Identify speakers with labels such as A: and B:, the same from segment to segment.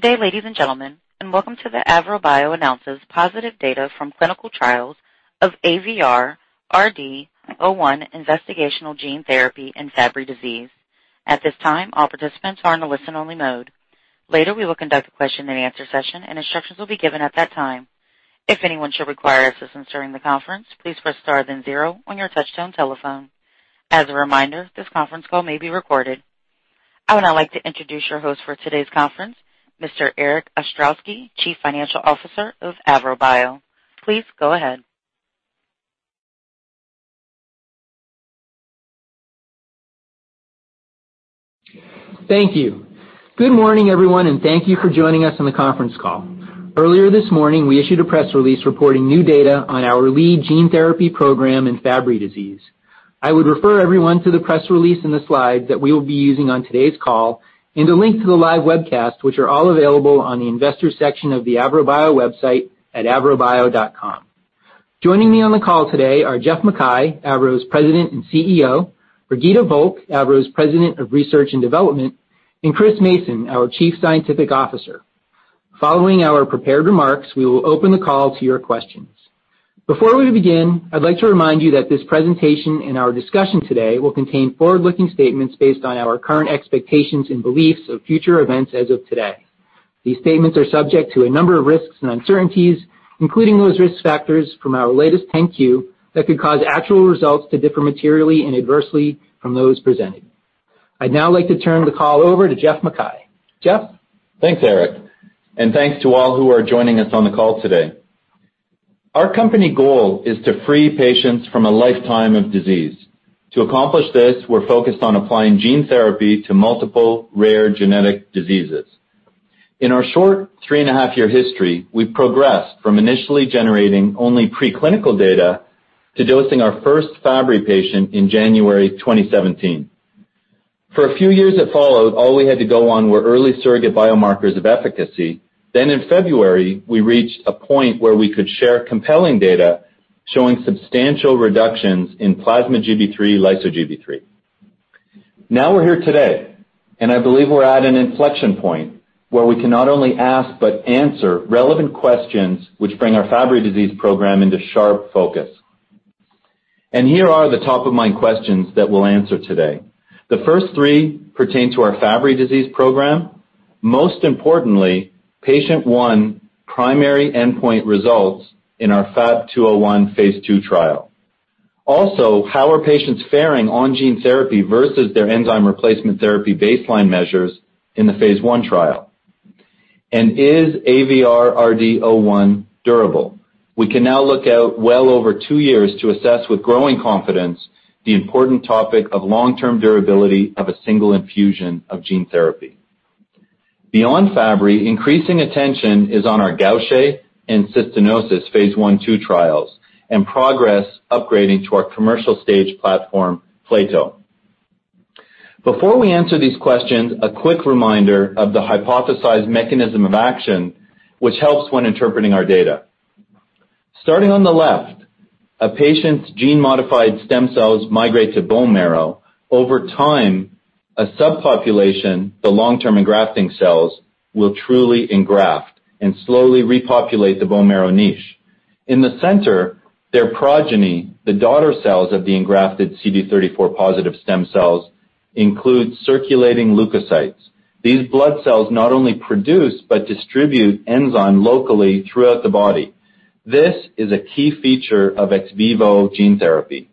A: Good day, ladies and gentlemen, and welcome to the AVROBIO announces positive data from clinical trials of AVR-RD-01 investigational gene therapy in Fabry disease. At this time, all participants are in a listen-only mode. Later, we will conduct a question and answer session and instructions will be given at that time. If anyone should require assistance during the conference, please press star then zero on your touch-tone telephone. As a reminder, this conference call may be recorded. I would now like to introduce your host for today's conference, Mr. Erik Ostrowski, Chief Financial Officer of AVROBIO. Please go ahead.
B: Thank you. Good morning, everyone, and thank you for joining us on the conference call. Earlier this morning, we issued a press release reporting new data on our lead gene therapy program in Fabry disease. I would refer everyone to the press release in the slides that we will be using on today's call and a link to the live webcast, which are all available on the investor section of the AVROBIO website at avrobio.com. Joining me on the call today are Geoff MacKay, AVROBIO's President and CEO, Birgitte Volck, AVROBIO's President of Research and Development, and Chris Mason, our Chief Scientific Officer. Following our prepared remarks, we will open the call to your questions. Before we begin, I'd like to remind you that this presentation and our discussion today will contain forward-looking statements based on our current expectations and beliefs of future events as of today. These statements are subject to a number of risks and uncertainties, including those risk factors from our latest 10-Q, that could cause actual results to differ materially and adversely from those presented. I'd now like to turn the call over to Geoff MacKay. Geoff?
C: Thanks, Erik, and thanks to all who are joining us on the call today. Our company goal is to free patients from a lifetime of disease. To accomplish this, we're focused on applying gene therapy to multiple rare genetic diseases. In our short 3.5-year history, we've progressed from initially generating only pre-clinical data to dosing our first Fabry patient in January 2017. For a few years that followed, all we had to go on were early surrogate biomarkers of efficacy. In February, we reached a point where we could share compelling data showing substantial reductions in plasma Gb3, lyso-Gb3. Now we're here today, and I believe we're at an inflection point where we can not only ask but answer relevant questions which bring our Fabry disease program into sharp focus. Here are the top-of-mind questions that we'll answer today. The first three pertain to our Fabry disease program, most importantly, patient one primary endpoint results in our FAB-201 phase II trial. How are patients faring on gene therapy versus their enzyme replacement therapy baseline measures in the phase I trial? Is AVR-RD-01 durable? We can now look out well over two years to assess with growing confidence the important topic of long-term durability of a single infusion of gene therapy. Beyond Fabry, increasing attention is on our Gaucher and cystinosis phase I/II trials and progress upgrading to our commercial stage platform, plato. Before we answer these questions, a quick reminder of the hypothesized mechanism of action, which helps when interpreting our data. Starting on the left, a patient's gene-modified stem cells migrate to bone marrow. Over time, a subpopulation, the long-term engrafting cells, will truly engraft and slowly repopulate the bone marrow niche. In the center, their progeny, the daughter cells of the engrafted CD34-positive stem cells, include circulating leukocytes. These blood cells not only produce but distribute enzyme locally throughout the body. This is a key feature of ex vivo gene therapy.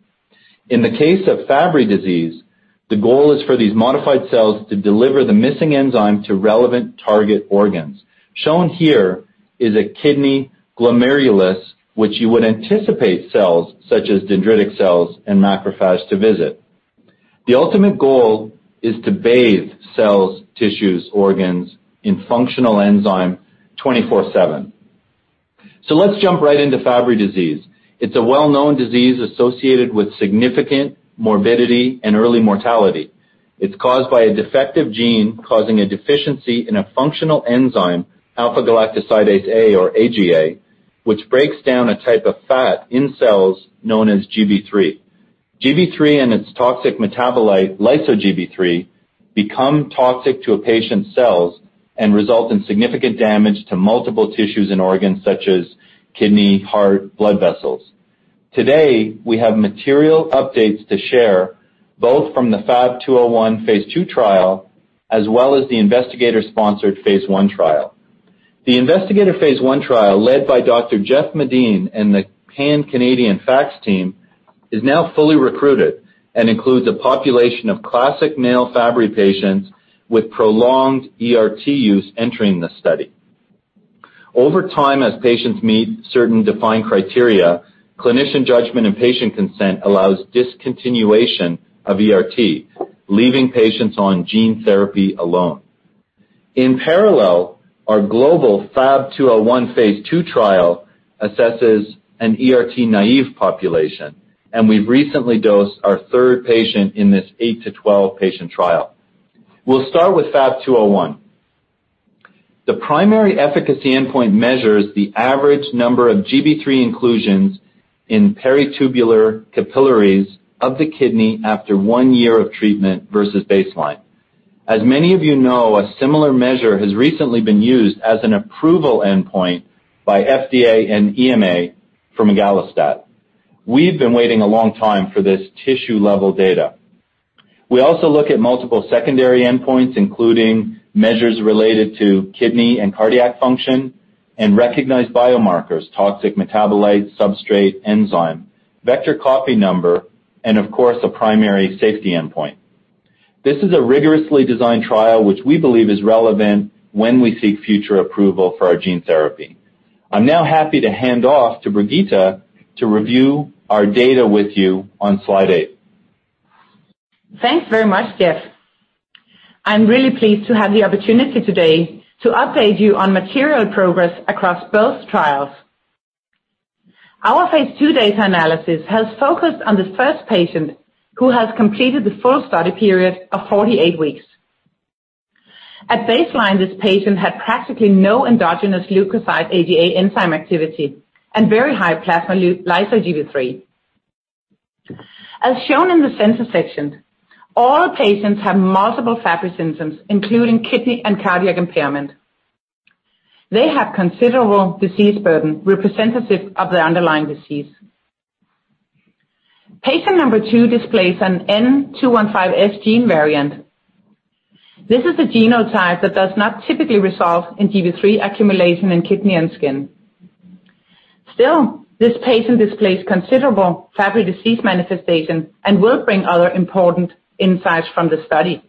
C: In the case of Fabry disease, the goal is for these modified cells to deliver the missing enzyme to relevant target organs. Shown here is a kidney glomerulus which you would anticipate cells such as dendritic cells and macrophage to visit. The ultimate goal is to bathe cells, tissues, organs in functional enzyme twenty-four seven. Let's jump right into Fabry disease. It's a well-known disease associated with significant morbidity and early mortality. It's caused by a defective gene, causing a deficiency in a functional enzyme, alpha-galactosidase A or AGA, which breaks down a type of fat in cells known as Gb3. Gb3 and its toxic metabolite, lyso-Gb3, become toxic to a patient's cells and result in significant damage to multiple tissues and organs such as kidney, heart, blood vessels. Today, we have material updates to share both from the FAB-201 phase II trial as well as the investigator-sponsored phase I trial. The investigator phase I trial, led by Dr. Jeff Medin and the Pan-Canadian FACTs team, is now fully recruited and includes a population of classic male Fabry patients with prolonged ERT use entering the study. Over time, as patients meet certain defined criteria, clinician judgment and patient consent allows discontinuation of ERT, leaving patients on gene therapy alone. In parallel, our global FAB-201 phase II trial assesses an ERT-naive population, and we've recently dosed our third patient in this 8-12-patient trial. We'll start with FAB-201. The primary efficacy endpoint measures the average number of Gb3 inclusions in peritubular capillaries of the kidney after one year of treatment versus baseline. As many of you know, a similar measure has recently been used as an approval endpoint by FDA and EMA for migalastat. We've been waiting a long time for this tissue-level data. We also look at multiple secondary endpoints, including measures related to kidney and cardiac function, and recognize biomarkers, toxic metabolites, substrate enzyme, vector copy number, and of course, a primary safety endpoint. This is a rigorously designed trial which we believe is relevant when we seek future approval for our gene therapy. I'm now happy to hand off to Birgitte to review our data with you on slide eight.
D: Thanks very much, Geoff. I am really pleased to have the opportunity today to update you on material progress across both trials. Our phase II data analysis has focused on the first patient who has completed the full study period of 48 weeks. At baseline, this patient had practically no endogenous leukocyte AGA enzyme activity and very high plasma lyso-Gb3. As shown in the center section, all patients have multiple Fabry symptoms, including kidney and cardiac impairment. They have considerable disease burden representative of their underlying disease. Patient number two displays an N215S gene variant. This is a genotype that does not typically result in Gb3 accumulation in kidney and skin. Still, this patient displays considerable Fabry disease manifestation and will bring other important insights from the study.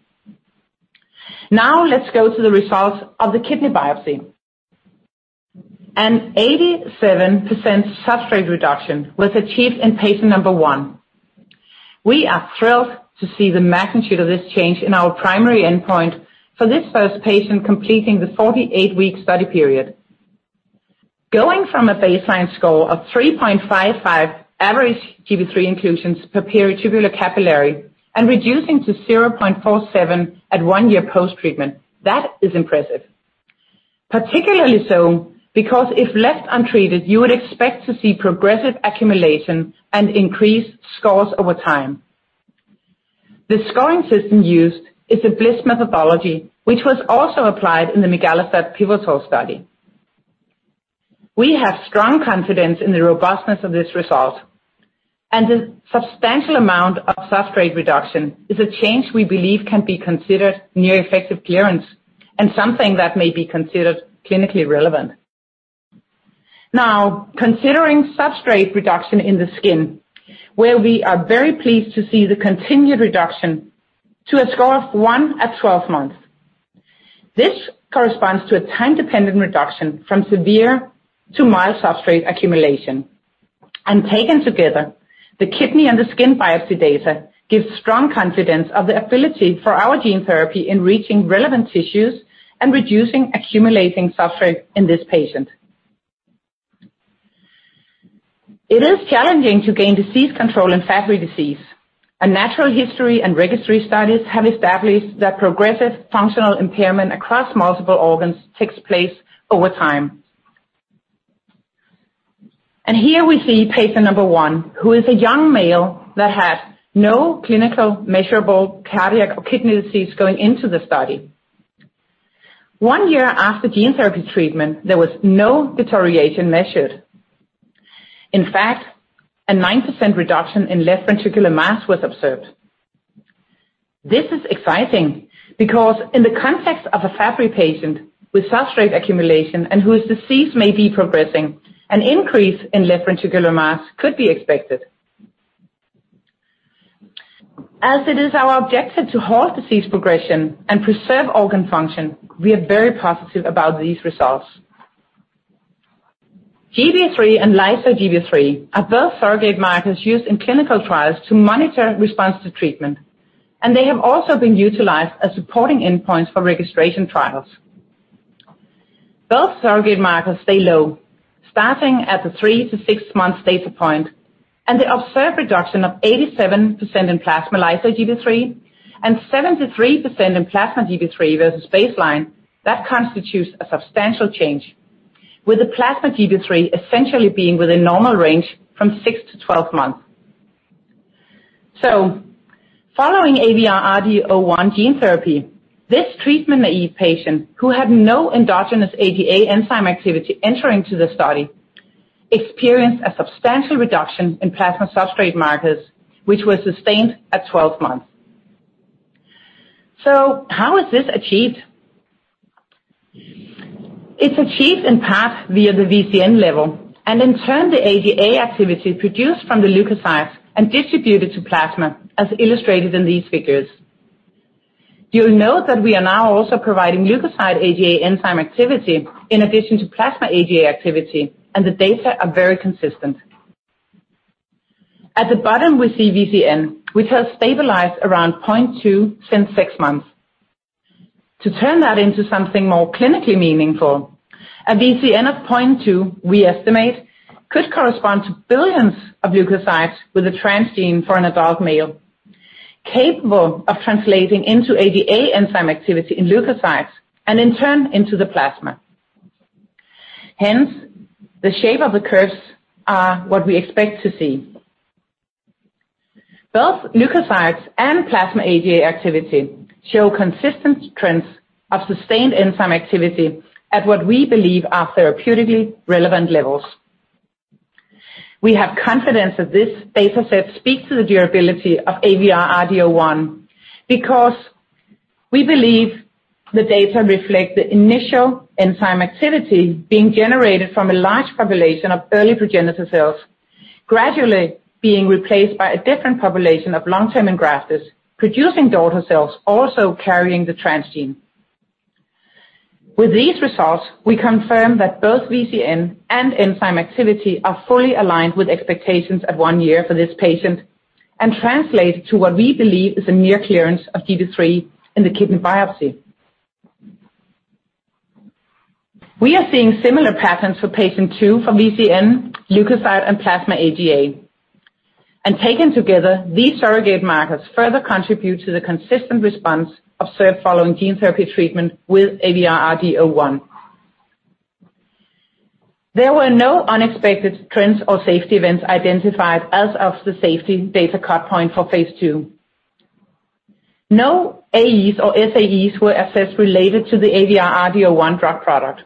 D: Let's go to the results of the kidney biopsy. An 87% substrate reduction was achieved in patient number one. We are thrilled to see the magnitude of this change in our primary endpoint for this first patient completing the 48-week study period. Going from a baseline score of 3.55 average Gb3 inclusions per peritubular capillary and reducing to 0.47 at one year post-treatment, that is impressive. Particularly so because if left untreated, you would expect to see progressive accumulation and increased scores over time. The scoring system used is the Bliss methodology, which was also applied in the migalastat pivotal study. We have strong confidence in the robustness of this result, and the substantial amount of substrate reduction is a change we believe can be considered near-effective clearance and something that may be considered clinically relevant. Considering substrate reduction in the skin, where we are very pleased to see the continued reduction to a score of one at 12 months. This corresponds to a time-dependent reduction from severe to mild substrate accumulation. Taken together, the kidney and the skin biopsy data gives strong confidence of the ability for our gene therapy in reaching relevant tissues and reducing accumulating substrate in this patient. It is challenging to gain disease control in Fabry disease. Natural history and registry studies have established that progressive functional impairment across multiple organs takes place over time. Here we see patient number one, who is a young male that had no clinical measurable cardiac or kidney disease going into the study. One year after gene therapy treatment, there was no deterioration measured. In fact, a 90% reduction in left ventricular mass was observed. This is exciting because in the context of a Fabry patient with substrate accumulation and whose disease may be progressing, an increase in left ventricular mass could be expected. As it is our objective to halt disease progression and preserve organ function, we are very positive about these results. Gb3 and lyso-Gb3 are both surrogate markers used in clinical trials to monitor response to treatment, and they have also been utilized as supporting endpoints for registration trials. Both surrogate markers stay low, starting at the three to six-month data point, and the observed reduction of 87% in plasma lyso-Gb3 and 73% in plasma Gb3 versus baseline, that constitutes a substantial change, with the plasma Gb3 essentially being within normal range from 6-12 months. Following AVR-RD-01 gene therapy, this treatment naive patient who had no endogenous AGA enzyme activity entering to the study experienced a substantial reduction in plasma substrate markers, which were sustained at 12 months. How is this achieved? It's achieved in part via the VCN level and in turn, the AGA activity produced from the leukocytes and distributed to plasma, as illustrated in these figures. You'll note that we are now also providing leukocyte AGA enzyme activity in addition to plasma AGA activity, and the data are very consistent. At the bottom, we see VCN, which has stabilized around 0.2 since six months. To turn that into something more clinically meaningful, a VCN of 0.2, we estimate, could correspond to billions of leukocytes with a transgene for an adult male capable of translating into AGA enzyme activity in leukocytes, and in turn, into the plasma. Hence, the shape of the curves are what we expect to see. Both leukocytes and plasma AGA activity show consistent trends of sustained enzyme activity at what we believe are therapeutically relevant levels. We have confidence that this data set speaks to the durability of AVR-RD-01 because we believe the data reflect the initial enzyme activity being generated from a large population of early progenitor cells gradually being replaced by a different population of long-term engraftes, producing daughter cells also carrying the transgene. With these results, we confirm that both VCN and enzyme activity are fully aligned with expectations at one year for this patient and translate to what we believe is a near clearance of Gb3 in the kidney biopsy. We are seeing similar patterns for patient two for VCN leukocyte and plasma AGA. Taken together, these surrogate markers further contribute to the consistent response observed following gene therapy treatment with AVR-RD-01. There were no unexpected trends or safety events identified as of the safety data cut point for phase II. No AEs or SAEs were assessed related to the AVR-RD-01 drug product,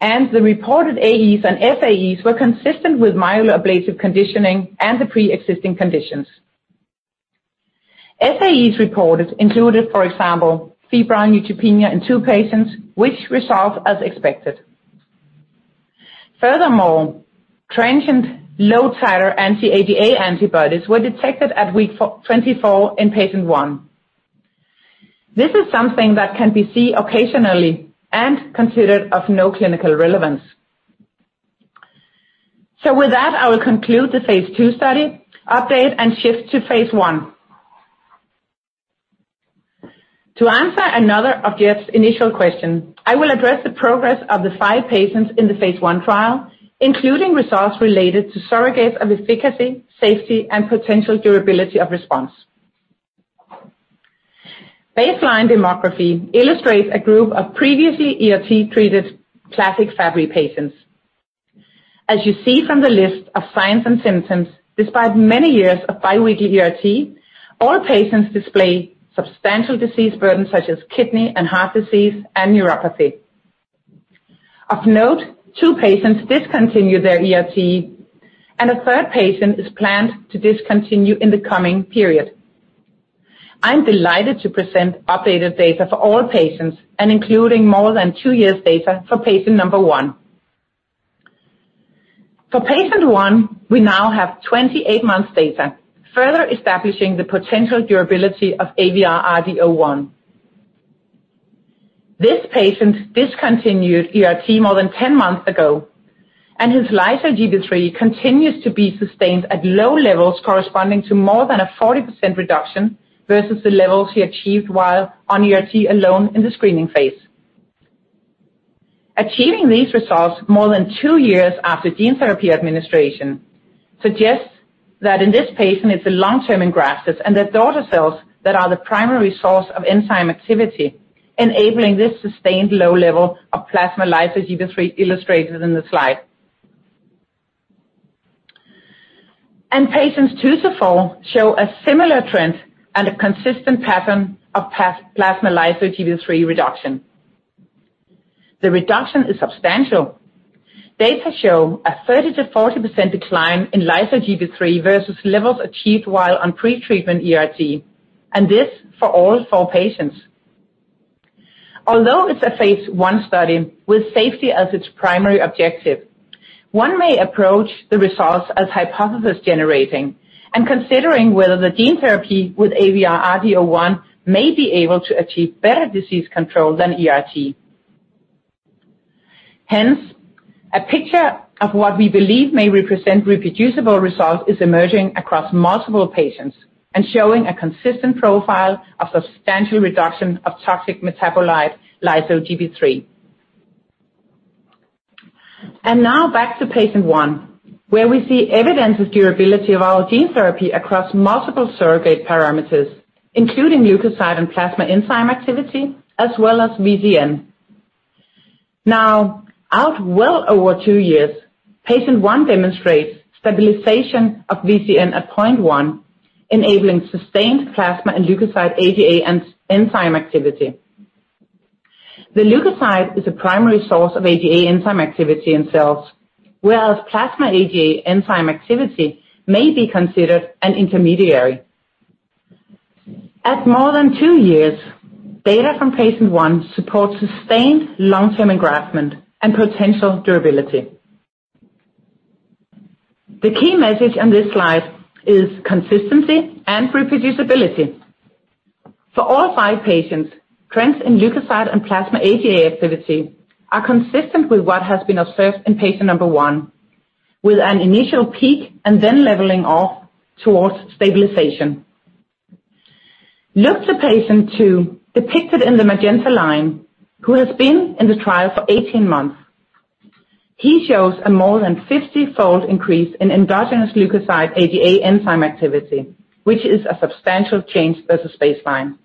D: and the reported AEs and SAEs were consistent with myeloablative conditioning and the preexisting conditions. SAEs reported included, for example, febrile neutropenia in two patients, which resolved as expected. Furthermore, transient low titer anti-AGA antibodies were detected at week 24 in patient one. This is something that can be seen occasionally and considered of no clinical relevance. With that, I will conclude the phase II study update and shift to phase I. To answer another of Geoff's initial question, I will address the progress of the five patients in the phase I trial, including results related to surrogates of efficacy, safety, and potential durability of response. Baseline demography illustrates a group of previously ERT-treated classic Fabry patients. As you see from the list of signs and symptoms, despite many years of biweekly ERT, all patients display substantial disease burdens such as kidney and heart disease and neuropathy. Of note, two patients discontinued their ERT, and a third patient is planned to discontinue in the coming period. I'm delighted to present updated data for all patients and including more than two years data for patient number one. For patient one, we now have 28 months data, further establishing the potential durability of AVR-RD-01. This patient discontinued ERT more than 10 months ago, and his lyso-Gb3 continues to be sustained at low levels corresponding to more than a 40% reduction versus the levels he achieved while on ERT alone in the screening phase. Achieving these results more than two years after gene therapy administration suggests that in this patient it's a long-term engraftment and that daughter cells that are the primary source of enzyme activity, enabling this sustained low level of plasma lyso-Gb3 illustrated in the slide. Patients two to four show a similar trend and a consistent pattern of plasma lyso-Gb3 reduction. The reduction is substantial. Data show a 30%-40% decline in lyso-Gb3 versus levels achieved while on pretreatment ERT, and this for all four patients. Although it's a phase I study with safety as its primary objective, one may approach the results as hypothesis generating and considering whether the gene therapy with AVR-RD-01 may be able to achieve better disease control than ERT. A picture of what we believe may represent reproducible results is emerging across multiple patients and showing a consistent profile of substantial reduction of toxic metabolite lyso-Gb3. Now back to patient one, where we see evidence of durability of our gene therapy across multiple surrogate parameters, including leukocyte and plasma enzyme activity, as well as VCN. Now, out well over two years, patient one demonstrates stabilization of VCN at 0.1, enabling sustained plasma and leukocyte AGA enzyme activity. The leukocyte is a primary source of AGA enzyme activity in cells, whereas plasma AGA enzyme activity may be considered an intermediary. At more than two years, data from patient one support sustained long-term engraftment and potential durability. The key message on this slide is consistency and reproducibility. For all five patients, trends in leukocyte and plasma AGA activity are consistent with what has been observed in patient number one, with an initial peak and then leveling off towards stabilization. Look to patient two, depicted in the magenta line, who has been in the trial for 18 months. He shows a more than 50-fold increase in endogenous leukocyte AGA enzyme activity, which is a substantial change versus baseline.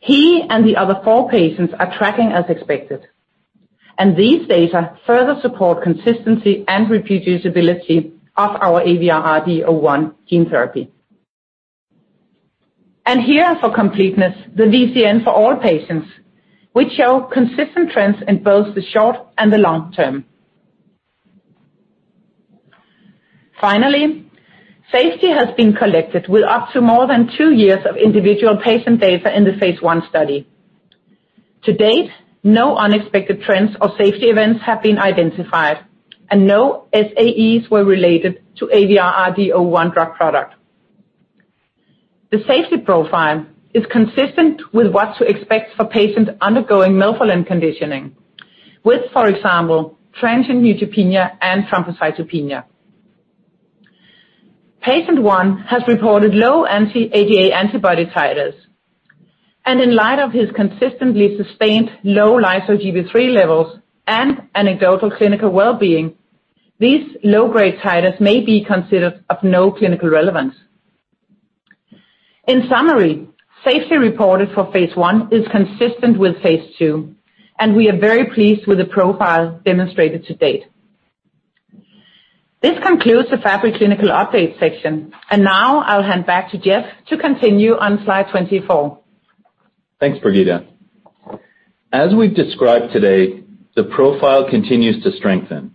D: He and the other four patients are tracking as expected, these data further support consistency and reproducibility of our AVR-RD-01 gene therapy. Here for completeness, the VCN for all patients, which show consistent trends in both the short and the long term. Finally, safety has been collected with up to more than two years of individual patient data in the phase I study. To date, no unexpected trends or safety events have been identified, no SAEs were related to AVR-RD-01 drug product. The safety profile is consistent with what to expect for patients undergoing melphalan conditioning with, for example, transient neutropenia and thrombocytopenia. Patient one has reported low anti-AGA antibody titers, in light of his consistently sustained low lyso-Gb3 levels and anecdotal clinical well-being, these low-grade titers may be considered of no clinical relevance. In summary, safety reported for phase I is consistent with phase II, and we are very pleased with the profile demonstrated to date. This concludes the Fabry clinical update section. Now I'll hand back to Geoff to continue on slide 24.
C: Thanks, Birgitte. As we've described today, the profile continues to strengthen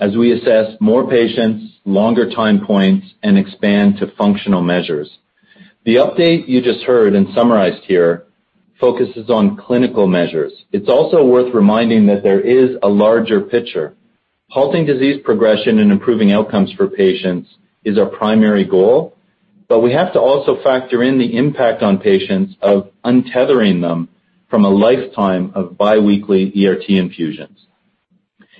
C: as we assess more patients, longer time points, and expand to functional measures. The update you just heard and summarized here focuses on clinical measures. It's also worth reminding that there is a larger picture. Halting disease progression and improving outcomes for patients is our primary goal, but we have to also factor in the impact on patients of untethering them from a lifetime of biweekly ERT infusions.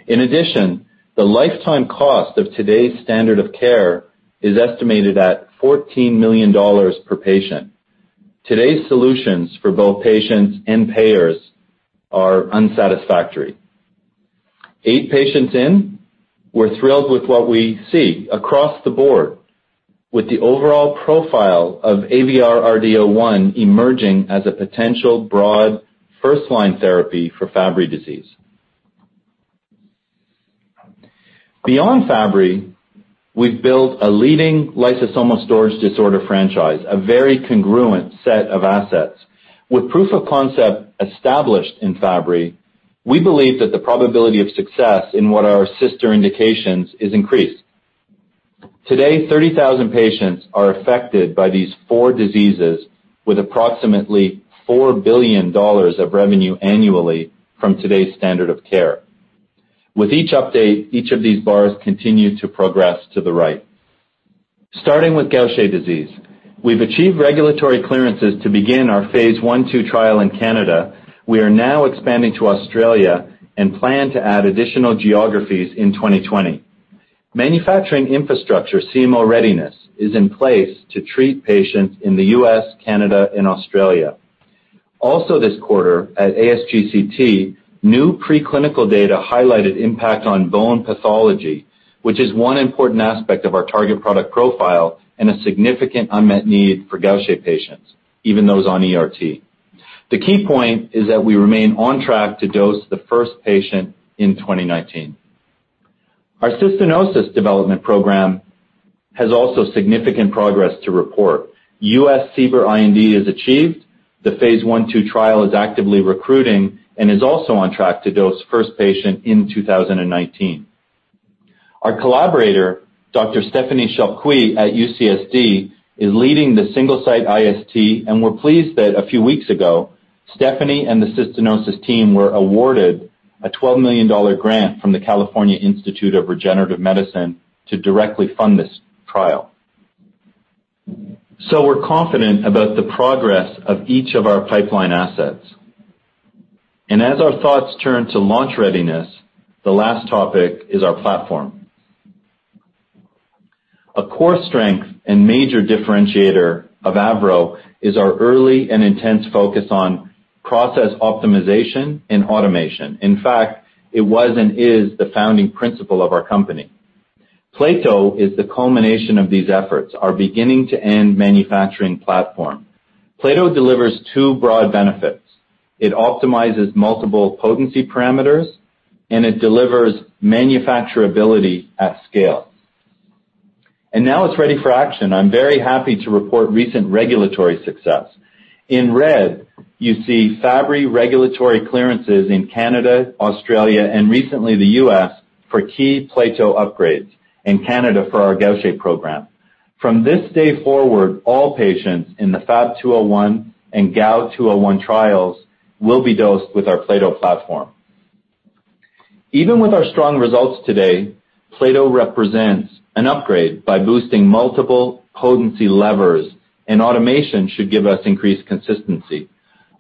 C: In addition, the lifetime cost of today's standard of care is estimated at $14 million per patient. Today's solutions for both patients and payers are unsatisfactory. Eight patients in, we're thrilled with what we see across the board with the overall profile of AVR-RD-01 emerging as a potential broad first-line therapy for Fabry disease. Beyond Fabry, we've built a leading lysosomal storage disorder franchise, a very congruent set of assets. With proof of concept established in Fabry, we believe that the probability of success in what are our sister indications is increased. Today, 30,000 patients are affected by these four diseases with approximately $4 billion of revenue annually from today's standard of care. With each update, each of these bars continue to progress to the right. Starting with Gaucher disease, we've achieved regulatory clearances to begin our phase I/II trial in Canada. We are now expanding to Australia and plan to add additional geographies in 2020. Manufacturing infrastructure CMO readiness is in place to treat patients in the U.S., Canada, and Australia. Also this quarter at ASGCT, new preclinical data highlighted impact on bone pathology, which is one important aspect of our target product profile and a significant unmet need for Gaucher patients, even those on ERT. The key point is that we remain on track to dose the first patient in 2019. Our cystinosis development program has also significant progress to report. U.S. CBER IND is achieved. The phase I/II trial is actively recruiting and is also on track to dose first patient in 2019. Our collaborator, Dr. Stephanie Cherqui at UCSD, is leading the single site IST, and we're pleased that a few weeks ago, Stephanie and the cystinosis team were awarded a $12 million grant from the California Institute for Regenerative Medicine to directly fund this trial. We're confident about the progress of each of our pipeline assets. As our thoughts turn to launch readiness, the last topic is our platform. A core strength and major differentiator of AVROBIO is our early and intense focus on process optimization and automation. In fact, it was and is the founding principle of our company. plato is the culmination of these efforts, our beginning to end manufacturing platform. plato delivers two broad benefits. It optimizes multiple potency parameters, and it delivers manufacturability at scale. Now it's ready for action. I'm very happy to report recent regulatory success. In red, you see Fabry regulatory clearances in Canada, Australia, and recently the U.S. for key plato upgrades, and Canada for our Gaucher program. From this day forward, all patients in the FAB-201 and GAU-201 trials will be dosed with our plato platform. Even with our strong results today, plato represents an upgrade by boosting multiple potency levers. Automation should give us increased consistency.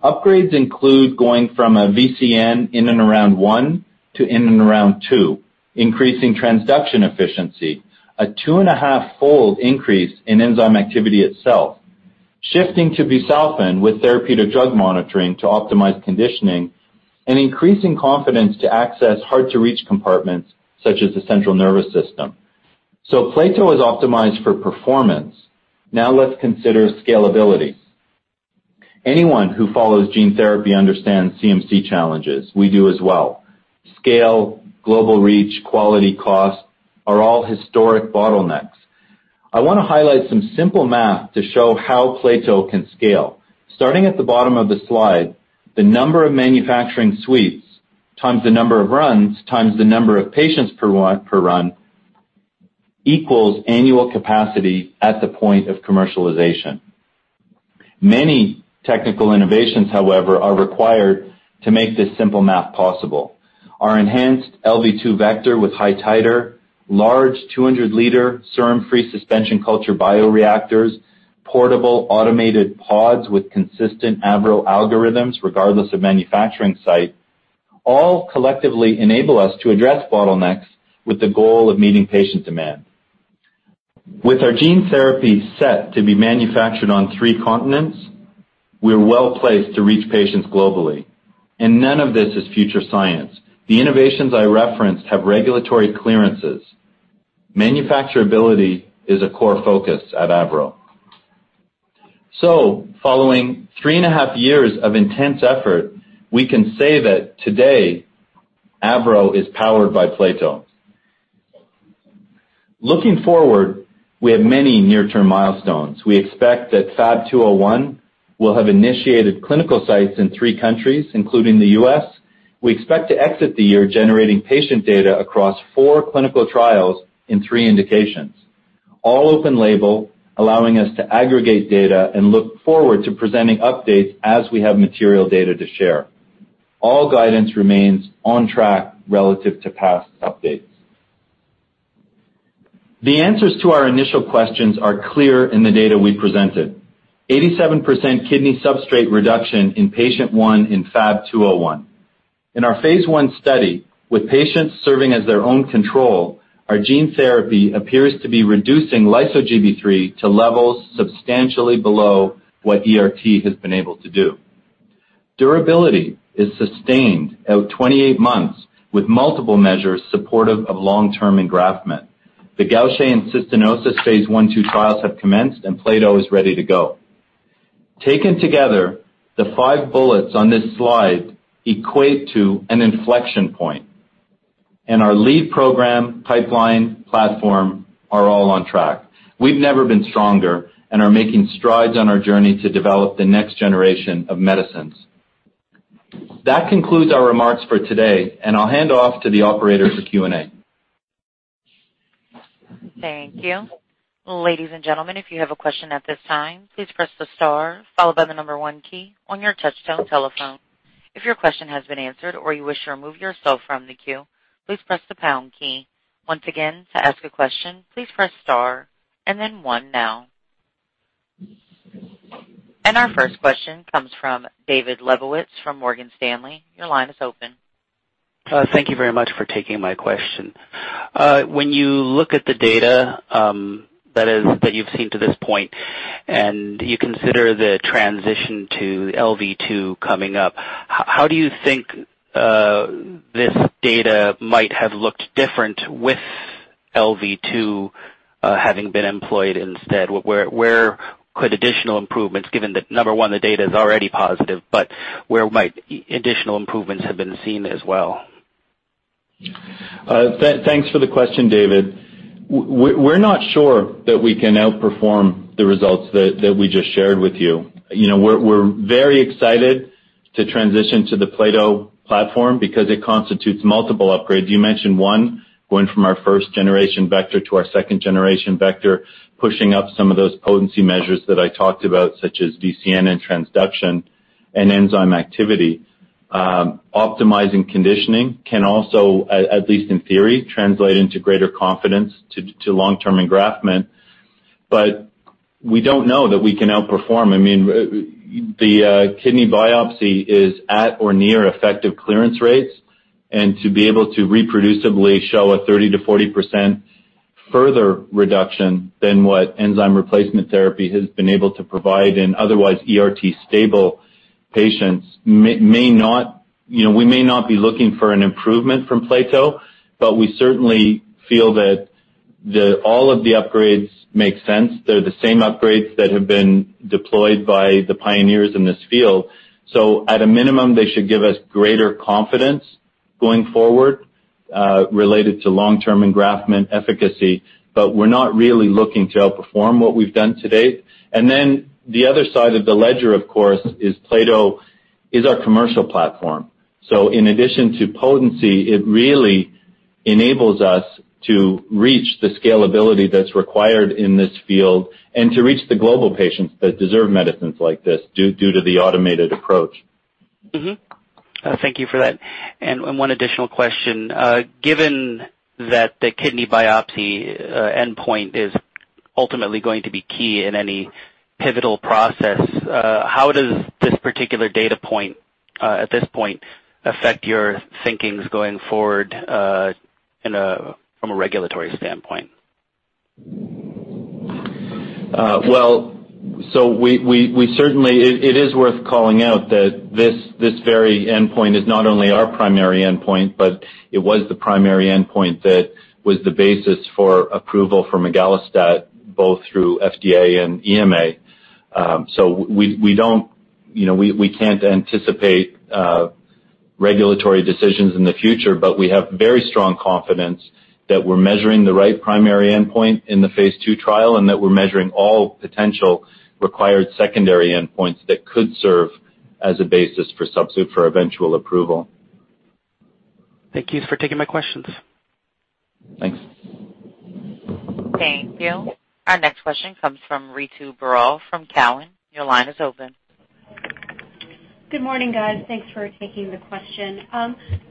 C: Upgrades include going from a VCN in and around one to in and around two, increasing transduction efficiency. A 2.5 fold increase in enzyme activity itself. Shifting to busulfan with therapeutic drug monitoring to optimize conditioning and increasing confidence to access hard-to-reach compartments such as the central nervous system. plato is optimized for performance. Let's consider scalability. Anyone who follows gene therapy understands CMC challenges. We do as well. Scale, global reach, quality, cost are all historic bottlenecks. I want to highlight some simple math to show how plato can scale. Starting at the bottom of the slide, the number of manufacturing suites times the number of runs times the number of patients per run equals annual capacity at the point of commercialization. Many technical innovations, however, are required to make this simple math possible. Our enhanced LV2 vector with high titer, large 200-L serum-free suspension culture bioreactors, portable automated pods with consistent AVROBIO algorithms, regardless of manufacturing site, all collectively enable us to address bottlenecks with the goal of meeting patient demand. With our gene therapy set to be manufactured on three continents, we're well-placed to reach patients globally. None of this is future science. The innovations I referenced have regulatory clearances. Manufacturability is a core focus at AVROBIO. Following3.5 years of intense effort, we can say that today AVROBIO is powered by plato. Looking forward, we have many near-term milestones. We expect that FAB-201 will have initiated clinical sites in three countries, including the U.S. We expect to exit the year generating patient data across four clinical trials in three indications, all open label, allowing us to aggregate data and look forward to presenting updates as we have material data to share. All guidance remains on track relative to past updates. The answers to our initial questions are clear in the data we presented. 87% kidney substrate reduction in patient one in FAB-201. In our phase I study, with patients serving as their own control, our gene therapy appears to be reducing lyso-Gb3 to levels substantially below what ERT has been able to do. Durability is sustained out 28 months with multiple measures supportive of long-term engraftment. The Gaucher and cystinosis phase I/II trials have commenced. plato is ready to go. Taken together, the five bullets on this slide equate to an inflection point. Our lead program pipeline platform are all on track. We've never been stronger and are making strides on our journey to develop the next generation of medicines. That concludes our remarks for today, and I'll hand off to the operator for Q&A.
A: Thank you. Ladies and gentlemen, if you have a question at this time, please press the star followed by the number one key on your touch-tone telephone. If your question has been answered or you wish to remove yourself from the queue, please press the pound key. Once again, to ask a question, please press star and then one now. Our first question comes from David Lebowitz from Morgan Stanley. Your line is open.
E: Thank you very much for taking my question. When you look at the data that you've seen to this point, you consider the transition to LV2 coming up, how do you think this data might have looked different with LV2 having been employed instead? Where could additional improvements, given that, number one, the data is already positive, but where might additional improvements have been seen as well?
C: Thanks for the question, David. We're not sure that we can outperform the results that we just shared with you. We're very excited to transition to the plato platform because it constitutes multiple upgrades. You mentioned one, going from our first-generation vector to our second-generation vector, pushing up some of those potency measures that I talked about, such as VCN and transduction and enzyme activity. Optimizing conditioning can also, at least in theory, translate into greater confidence to long-term engraftment. We don't know that we can outperform. The kidney biopsy is at or near effective clearance rates, and to be able to reproducibly show a 30%-40% further reduction than what enzyme replacement therapy has been able to provide in otherwise ERT-stable patients, we may not be looking for an improvement from plato, but we certainly feel that all of the upgrades make sense. They're the same upgrades that have been deployed by the pioneers in this field. At a minimum, they should give us greater confidence going forward related to long-term engraftment efficacy. We're not really looking to outperform what we've done to date. The other side of the ledger, of course, is plato is our commercial platform. In addition to potency, it really enables us to reach the scalability that's required in this field and to reach the global patients that deserve medicines like this due to the automated approach.
E: Mm-hmm. Thank you for that. One additional question. Given that the kidney biopsy endpoint is ultimately going to be key in any pivotal process, how does this particular data point at this point affect your thinking going forward from a regulatory standpoint.
C: Well, it is worth calling out that this very endpoint is not only our primary endpoint, but it was the primary endpoint that was the basis for approval for migalastat both through FDA and EMA. We can't anticipate regulatory decisions in the future, but we have very strong confidence that we're measuring the right primary endpoint in the phase II trial, and that we're measuring all potential required secondary endpoints that could serve as a basis for subC for eventual approval.
E: Thank you for taking my questions.
C: Thanks.
A: Thank you. Our next question comes from Ritu Baral from Cowen. Your line is open.
F: Good morning, guys. Thanks for taking the question.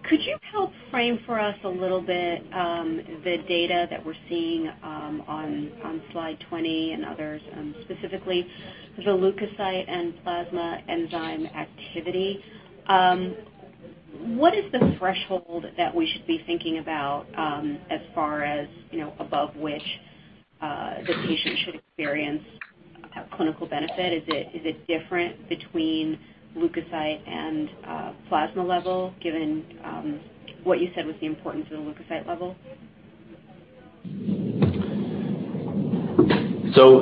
F: Could you help frame for us a little bit, the data that we're seeing on slide 20 and others, specifically the leukocyte and plasma enzyme activity? What is the threshold that we should be thinking about as far as above which the patient should experience a clinical benefit? Is it different between leukocyte and plasma level, given what you said was the importance of the leukocyte level?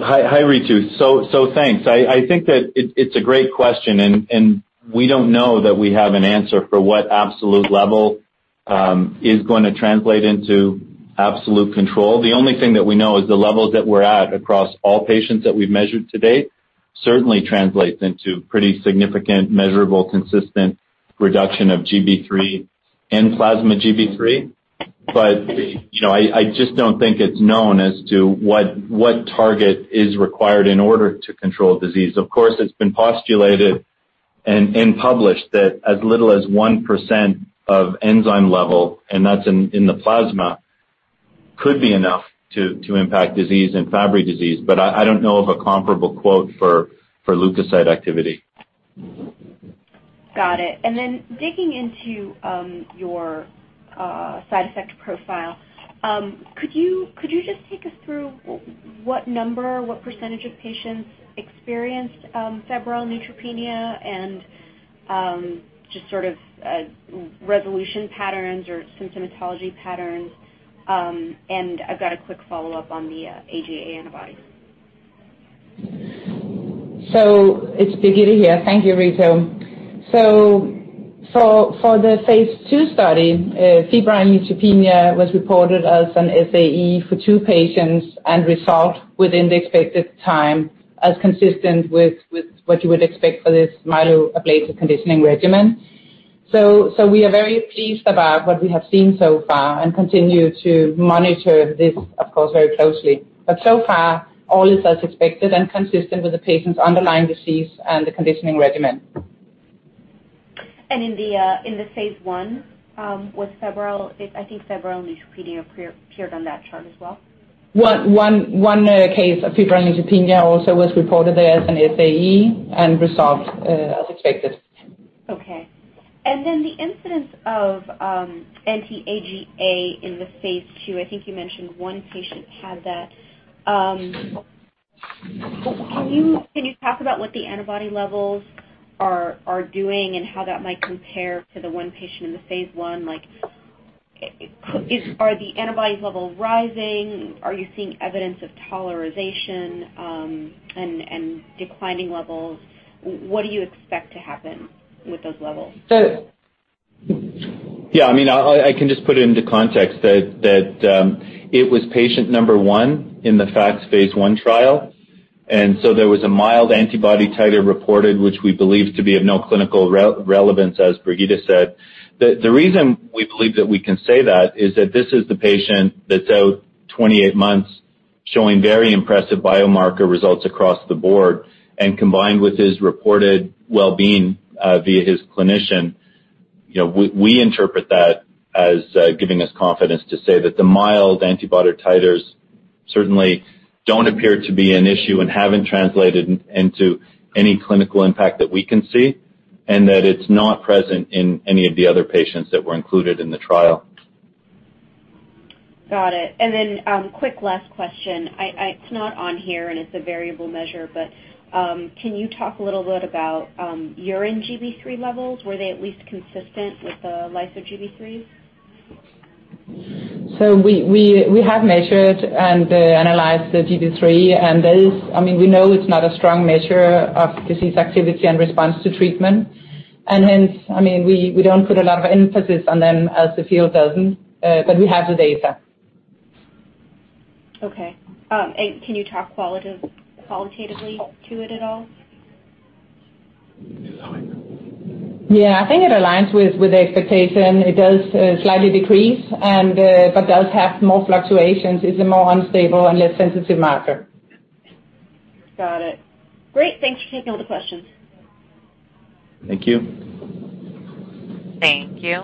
C: Hi, Ritu. Thanks. I think that it's a great question. We don't know that we have an answer for what absolute level is going to translate into absolute control. The only thing that we know is the levels that we're at across all patients that we've measured to date certainly translates into pretty significant measurable, consistent reduction of Gb3 and plasma Gb3. I just don't think it's known as to what target is required in order to control disease. Of course, it's been postulated and published that as little as 1% of enzyme level, and that's in the plasma, could be enough to impact disease and Fabry disease. I don't know of a comparable quote for leukocyte activity.
F: Got it. Digging into your side effect profile, could you just take us through what number, what percentage of patients experienced febrile neutropenia and just sort of resolution patterns or symptomatology patterns? I've got a quick follow-up on the AGA antibodies.
D: It's Birgitte here. Thank you, Ritu. For the phase II study, febrile neutropenia was reported as an SAE for two patients and resolved within the expected time as consistent with what you would expect for this myeloablative conditioning regimen. We are very pleased about what we have seen so far and continue to monitor this, of course, very closely. So far, all is as expected and consistent with the patient's underlying disease and the conditioning regimen.
F: In the phase I, febrile neutropenia appeared on that chart as well.
D: One case of febrile neutropenia also was reported there as an SAE and resolved as expected.
F: Okay. The incidence of anti-AGA in the phase II, I think you mentioned one patient had that. Can you talk about what the antibody levels are doing and how that might compare to the one patient in the phase I? Are the antibody levels rising? Are you seeing evidence of tolerization and declining levels? What do you expect to happen with those levels?
C: I can just put it into context that it was patient number one in the FACTs phase I trial, there was a mild antibody titer reported, which we believe to be of no clinical relevance, as Birgitte said. The reason we believe that we can say that is that this is the patient that's out 28 months showing very impressive biomarker results across the board. Combined with his reported well-being via his clinician, we interpret that as giving us confidence to say that the mild antibody titers certainly don't appear to be an issue and haven't translated into any clinical impact that we can see, and that it's not present in any of the other patients that were included in the trial.
F: Got it. Quick last question. It's not on here, and it's a variable measure, but can you talk a little bit about urine Gb3 levels? Were they at least consistent with the lyso-Gb3?
D: We have measured and analyzed the Gb3, and we know it's not a strong measure of disease activity and response to treatment. Hence, we don't put a lot of emphasis on them as the field doesn't. We have the data.
F: Okay. Can you talk qualitatively to it at all?
D: Yeah, I think it aligns with the expectation. It does slightly decrease but does have more fluctuations, is a more unstable and less sensitive marker.
F: Got it. Great. Thanks for taking all the questions.
C: Thank you.
A: Thank you.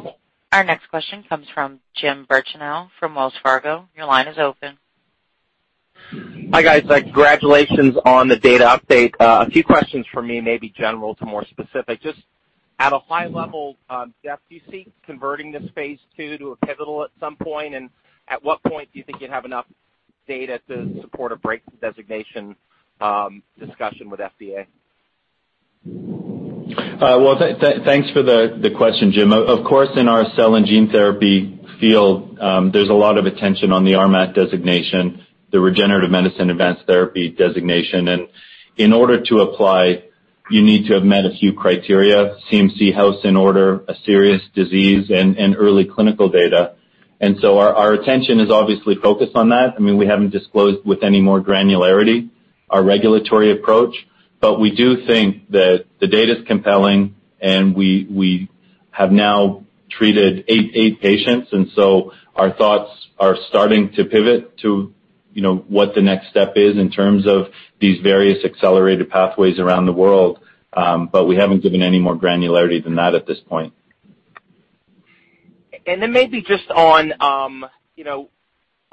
A: Our next question comes from Jim Birchenough from Wells Fargo. Your line is open.
G: Hi guys. Congratulations on the data update. A few questions from me, maybe general to more specific. Just at a high level, Geoff, do you see converting this phase II to a pivotal at some point? At what point do you think you'd have enough data to support a breakthrough designation discussion with FDA?
C: Thanks for the question, Jim. Of course, in our cell and gene therapy field, there's a lot of attention on the RMAT designation, the Regenerative Medicine Advanced Therapy designation. In order to apply, you need to have met a few criteria, CMC house in order, a serious disease, and early clinical data. Our attention is obviously focused on that. We haven't disclosed with any more granularity our regulatory approach, but we do think that the data's compelling, and we have now treated eight patients, our thoughts are starting to pivot to what the next step is in terms of these various accelerated pathways around the world. We haven't given any more granularity than that at this point.
G: Maybe just on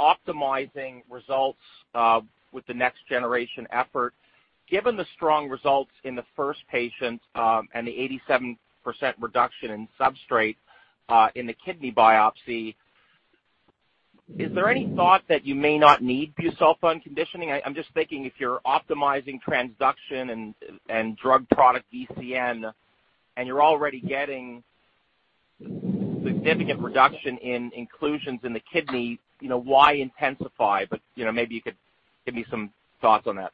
G: optimizing results with the next generation effort. Given the strong results in the first patient, and the 87% reduction in substrate in the kidney biopsy, is there any thought that you may not need busulfan conditioning? I'm just thinking if you're optimizing transduction and drug product VCN, and you're already getting significant reduction in inclusions in the kidney, why intensify? Maybe you could give me some thoughts on that.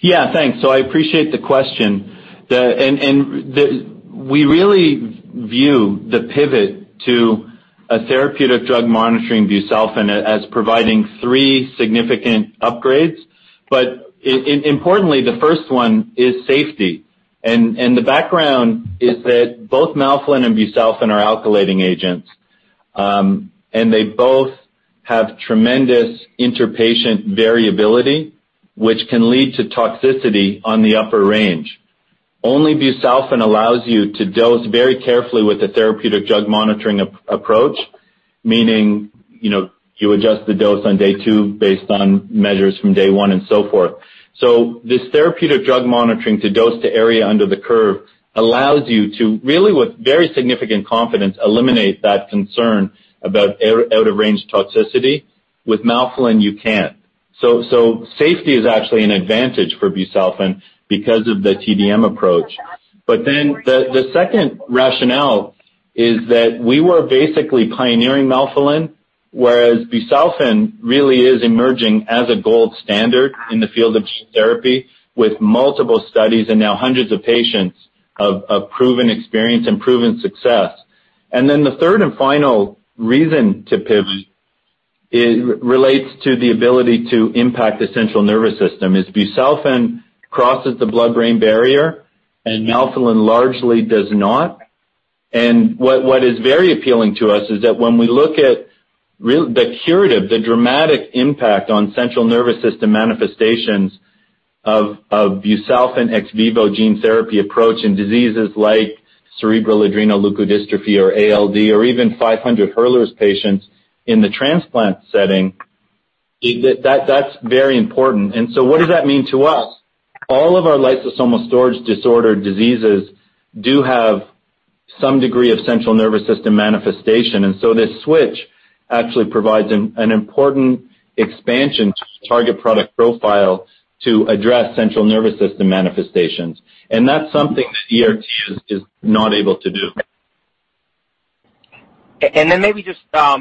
C: Yeah. Thanks. I appreciate the question. We really view the pivot to a therapeutic drug monitoring busulfan as providing three significant upgrades. Importantly, the first one is safety. The background is that both melphalan and busulfan are alkylating agents. They both have tremendous inter-patient variability, which can lead to toxicity on the upper range. Only busulfan allows you to dose very carefully with a therapeutic drug monitoring approach, meaning you adjust the dose on day two based on measures from day one and so forth. This therapeutic drug monitoring to dose to area under the curve allows you to, really with very significant confidence, eliminate that concern about out-of-range toxicity. With melphalan, you can't. Safety is actually an advantage for busulfan because of the TDM approach. The second rationale is that we were basically pioneering melphalan, whereas busulfan really is emerging as a gold standard in the field of gene therapy with multiple studies and now hundreds of patients of proven experience and proven success. The third and final reason to pivot relates to the ability to impact the central nervous system, as busulfan crosses the blood-brain barrier, and melphalan largely does not. What is very appealing to us is that when we look at the curative, the dramatic impact on central nervous system manifestations of busulfan ex vivo gene therapy approach in diseases like cerebral adrenoleukodystrophy or ALD, or even 500 Hurler's patients in the transplant setting, that's very important. What does that mean to us? All of our lysosomal storage disorder diseases do have some degree of central nervous system manifestation. This switch actually provides an important expansion to the target product profile to address central nervous system manifestations. That's something that ERT is not able to do.
G: Maybe just a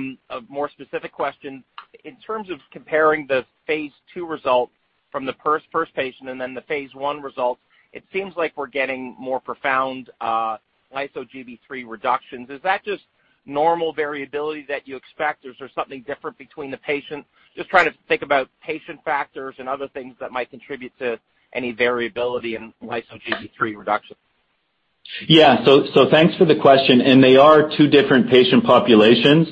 G: more specific question. In terms of comparing the phase II results from the first patient and the phase I results, it seems like we're getting more profound lyso-Gb3 reductions. Is that just normal variability that you expect, or is there something different between the patients? Just trying to think about patient factors and other things that might contribute to any variability in lyso-Gb3 reduction.
C: Thanks for the question. They are two different patient populations.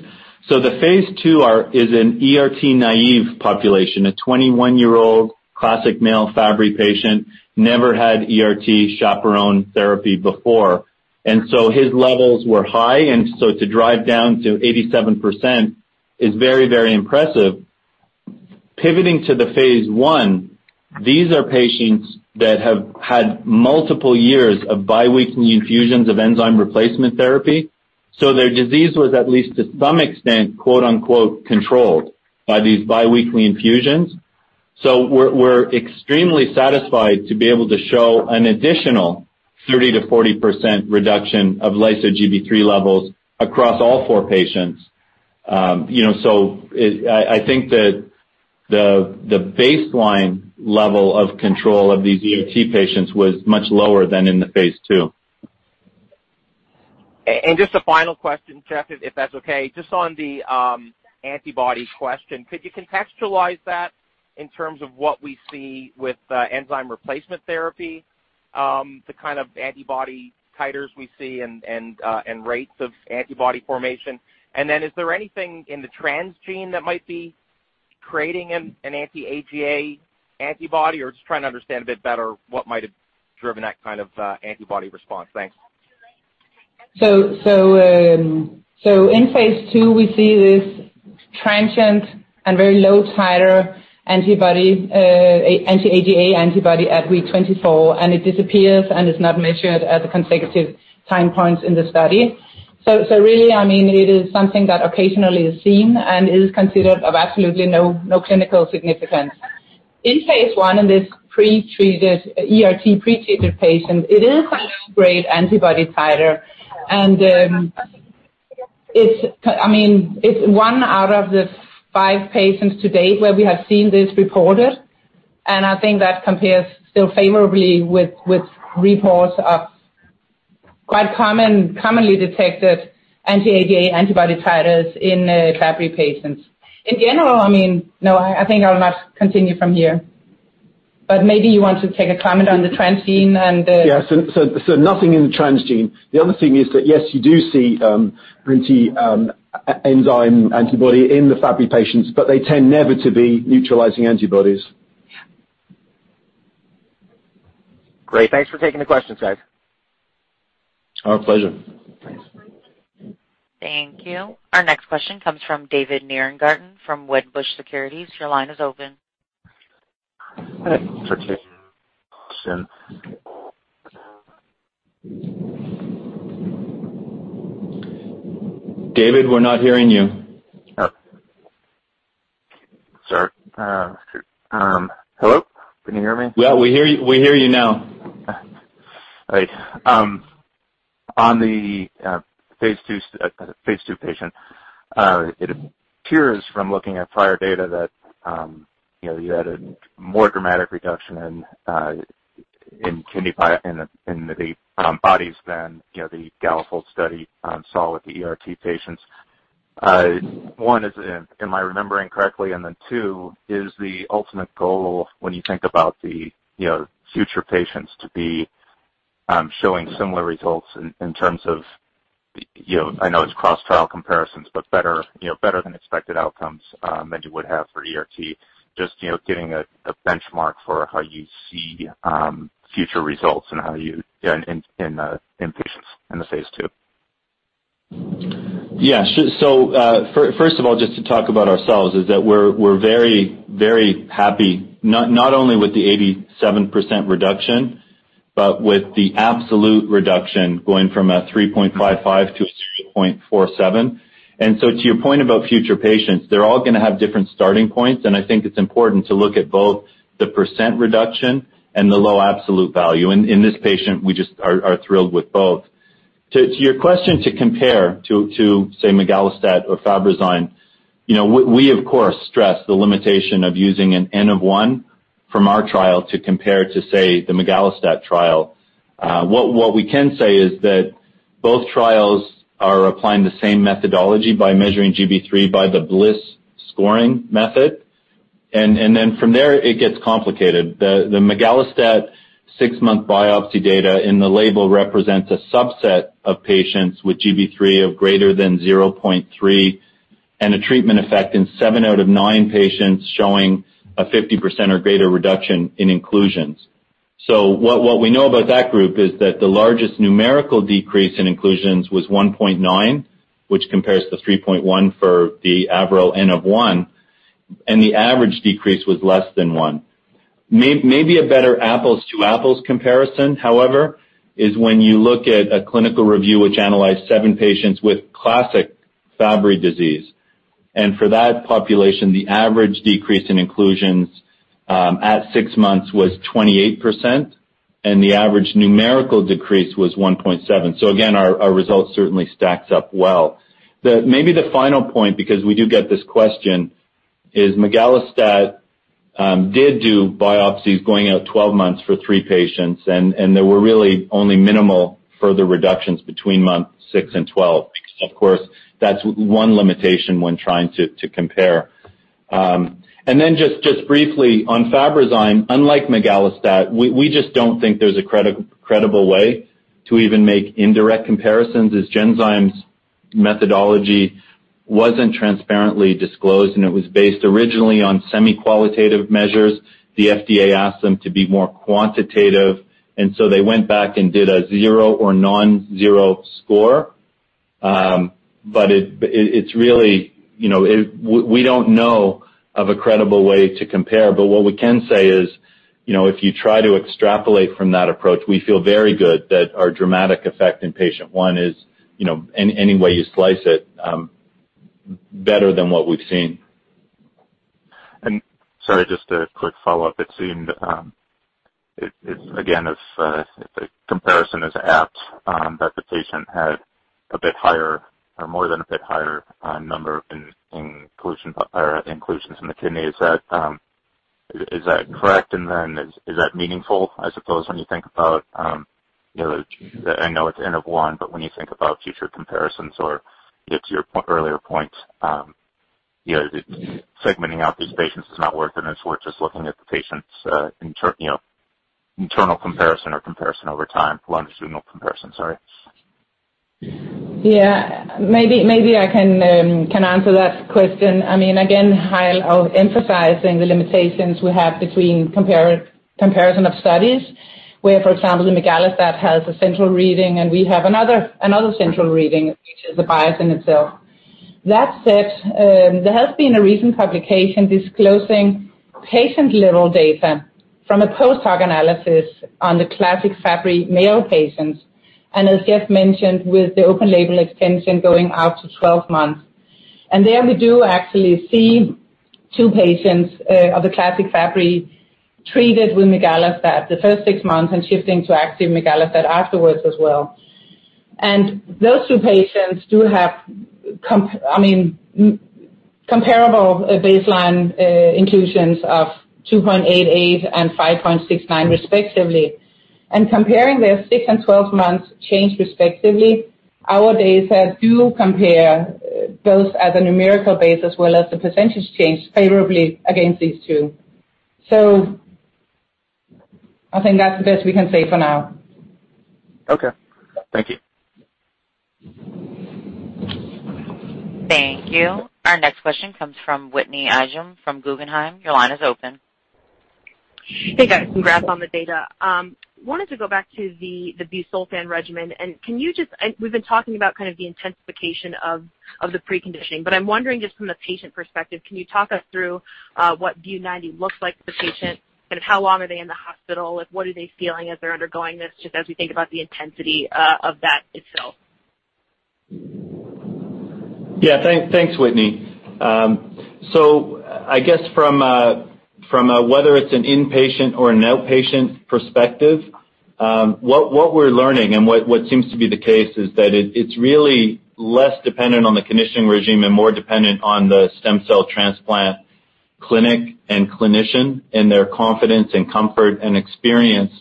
C: The phase II is an ERT-naive population, a 21-year-old classic male Fabry patient, never had ERT chaperone therapy before. His levels were high, to drive down to 87% is very impressive. Pivoting to the phase I, these are patients that have had multiple years of biweekly infusions of enzyme replacement therapy. Their disease was at least to some extent, "controlled" by these biweekly infusions. We're extremely satisfied to be able to show an additional 30%-40% reduction of lyso-Gb3 levels across all four patients. I think that the baseline level of control of these ERT patients was much lower than in the phase II.
G: Just a final question, Geoff, if that's okay. Just on the antibody question, could you contextualize that in terms of what we see with enzyme replacement therapy? The kind of antibody titers we see and rates of antibody formation. Is there anything in the transgene that might be creating an anti-AGA antibody? Or just trying to understand a bit better what might have driven that kind of antibody response. Thanks.
D: In phase II, we see this transient and very low titer antibody, anti-AGA antibody at week 24, and it disappears and is not measured at the consecutive time points in the study. Really, it is something that occasionally is seen and is considered of absolutely no clinical significance. In phase I, in this ERT pre-treated patient, it is a low-grade antibody titer. It's one out of the five patients to date where we have seen this reported, and I think that compares still favorably with reports of quite commonly detected anti-AGA antibody titers in Fabry patients. In general, I think I will not continue from here, but maybe you want to take a comment on the transgene and the-
H: Yes. Nothing in the transgene. The other thing is that, yes, you do see anti-enzyme antibody in the Fabry patients, they tend never to be neutralizing antibodies.
G: Great. Thanks for taking the questions, guys.
C: Our pleasure.
G: Thanks.
A: Thank you. Our next question comes from David Nierengarten from Wedbush Securities. Your line is open.
C: David, we're not hearing you.
I: Sorry. Hello? Can you hear me?
C: Yeah, we hear you now.
I: Right. On the phase II patient, it appears from looking at prior data that you had a more dramatic reduction in the bodies than, the Galafold study saw with the ERT patients. One, am I remembering correctly? Two, is the ultimate goal when you think about the future patients to be showing similar results in terms of, I know it's cross-trial comparisons, but better than expected outcomes than you would have for ERT, just getting a benchmark for how you see future results and how you, in patients in the phase II.
C: Yeah. First of all, just to talk about ourselves is that we're very, very happy not only with the 87% reduction, but with the absolute reduction going from a 3.55 to a 0.47. To your point about future patients, they're all going to have different starting points, and I think it's important to look at both the percent reduction and the low absolute value. In this patient, we just are thrilled with both. To your question to compare to, say, migalastat or Fabrazyme, we of course stress the limitation of using an N-of-1 from our trial to compare to, say, the migalastat trial. What we can say is that both trials are applying the same methodology by measuring Gb3 by the Bliss scoring method. From there, it gets complicated. The migalastat six-month biopsy data in the label represents a subset of patients with Gb3 of greater than 0.3, and a treatment effect in seven out of nine patients showing a 50% or greater reduction in inclusions. What we know about that group is that the largest numerical decrease in inclusions was 1.9, which compares to 3.1 for the AVROBIO N-of-1, and the average decrease was less than one. Maybe a better apples to apples comparison, however, is when you look at a clinical review which analyzed seven patients with classic Fabry disease. For that population, the average decrease in inclusions at six months was 28%, and the average numerical decrease was 1.7. Again, our result certainly stacks up well. Maybe the final point, because we do get this question, is migalastat did do biopsies going out 12 months for three patients, and there were really only minimal further reductions between month six and 12. Because, of course, that's one limitation when trying to compare. Just briefly on Fabrazyme, unlike migalastat, we just don't think there's a credible way to even make indirect comparisons, as Genzyme's methodology wasn't transparently disclosed, and it was based originally on semi-qualitative measures. The FDA asked them to be more quantitative, they went back and did a zero or non-zero score. We don't know of a credible way to compare. What we can say is, if you try to extrapolate from that approach, we feel very good that our dramatic effect in patient one is, any way you slice it, better than what we've seen.
I: Sorry, just a quick follow-up. It seemed, again, if the comparison is apt, that the patient had a bit higher or more than a bit higher number in inclusions in the kidney. Is that correct? Is that meaningful? I suppose, when you think about, I know it's N-of-1, but when you think about future comparisons or to your earlier point, segmenting out these patients is not worth it. It's worth just looking at the patient's internal comparison or comparison over time. Longitudinal comparison, sorry.
D: Yeah. Maybe I can answer that question. Again, I'll emphasize the limitations we have between comparison of studies where, for example, the migalastat has a central reading and we have another central reading, which is a bias in itself. That said, there has been a recent publication disclosing patient-level data from a post-hoc analysis on the classic Fabry male patients, and as Geoff mentioned, with the open label extension going out to 12 months. There we do actually see two patients of the classic Fabry treated with migalastat the first six months and shifting to active migalastat afterwards as well. Those two patients do have comparable baseline inclusions of 2.88 and 5.69 respectively. Comparing their six and 12 months change respectively, our data do compare both as a numerical base as well as the percentage change favorably against these two. I think that's the best we can say for now.
I: Okay. Thank you.
A: Thank you. Our next question comes from Whitney Ijem from Guggenheim. Your line is open.
J: Hey, guys. Congrats on the data. I wanted to go back to the busulfan regimen. We've been talking about the intensification of the preconditioning, but I'm wondering just from the patient perspective, can you talk us through what Bu90 looks like for the patient? How long are they in the hospital? What are they feeling as they're undergoing this, just as we think about the intensity of that itself?
C: Thanks, Whitney. I guess from whether it's an inpatient or an outpatient perspective, what we're learning and what seems to be the case is that it's really less dependent on the conditioning regime and more dependent on the stem cell transplant clinic and clinician and their confidence and comfort and experience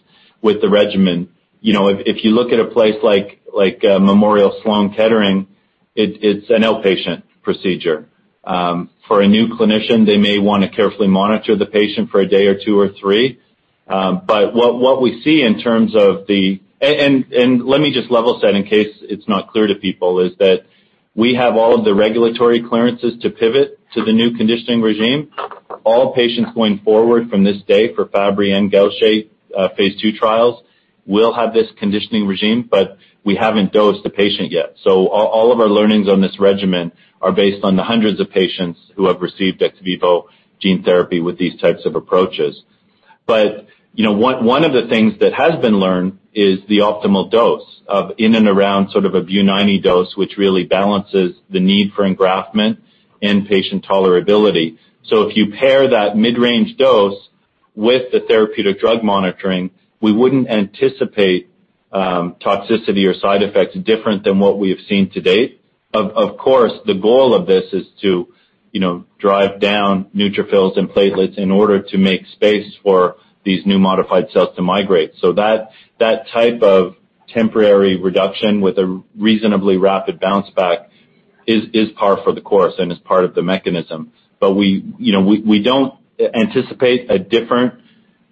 C: with the regimen. If you look at a place like Memorial Sloan Kettering, it's an outpatient procedure. For a new clinician, they may want to carefully monitor the patient for a day or two or three. Let me just level set in case it's not clear to people, is that we have all of the regulatory clearances to pivot to the new conditioning regime. All patients going forward from this day for Fabry and Gaucher phase II trials will have this conditioning regime, but we haven't dosed the patient yet. All of our learnings on this regimen are based on the hundreds of patients who have received ex vivo gene therapy with these types of approaches. One of the things that has been learned is the optimal dose of in and around sort of a Bu90 dose, which really balances the need for engraftment and patient tolerability. If you pair that mid-range dose with the therapeutic drug monitoring, we wouldn't anticipate toxicity or side effects different than what we have seen to date. Of course, the goal of this is to drive down neutrophils and platelets in order to make space for these new modified cells to migrate. That type of temporary reduction with a reasonably rapid bounce back is par for the course and is part of the mechanism. We don't anticipate a different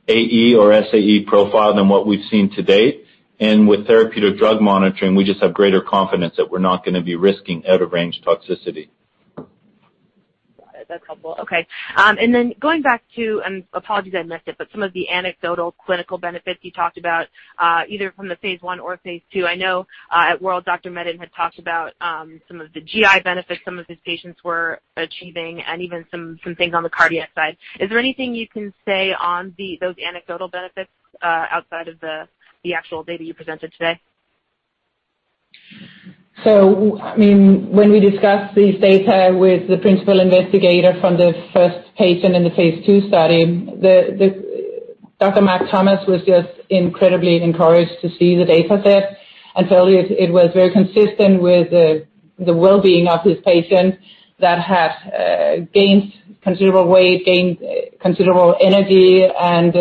C: AE or SAE profile than what we've seen to date. With therapeutic drug monitoring, we just have greater confidence that we're not going to be risking out-of-range toxicity.
J: Got it. That's helpful. Okay. Going back to, apologies I missed it, but some of the anecdotal clinical benefits you talked about either from the phase I or phase II. I know at WORLDSymposium, Dr. Medin had talked about some of the GI benefits some of his patients were achieving and even some things on the cardiac side. Is there anything you can say on those anecdotal benefits outside of the actual data you presented today?
D: When we discussed these data with the principal investigator from the first patient in the phase II study, Dr. Mark Thomas was just incredibly encouraged to see the data set. It was very consistent with the wellbeing of his patient that had gained considerable weight, gained considerable energy, and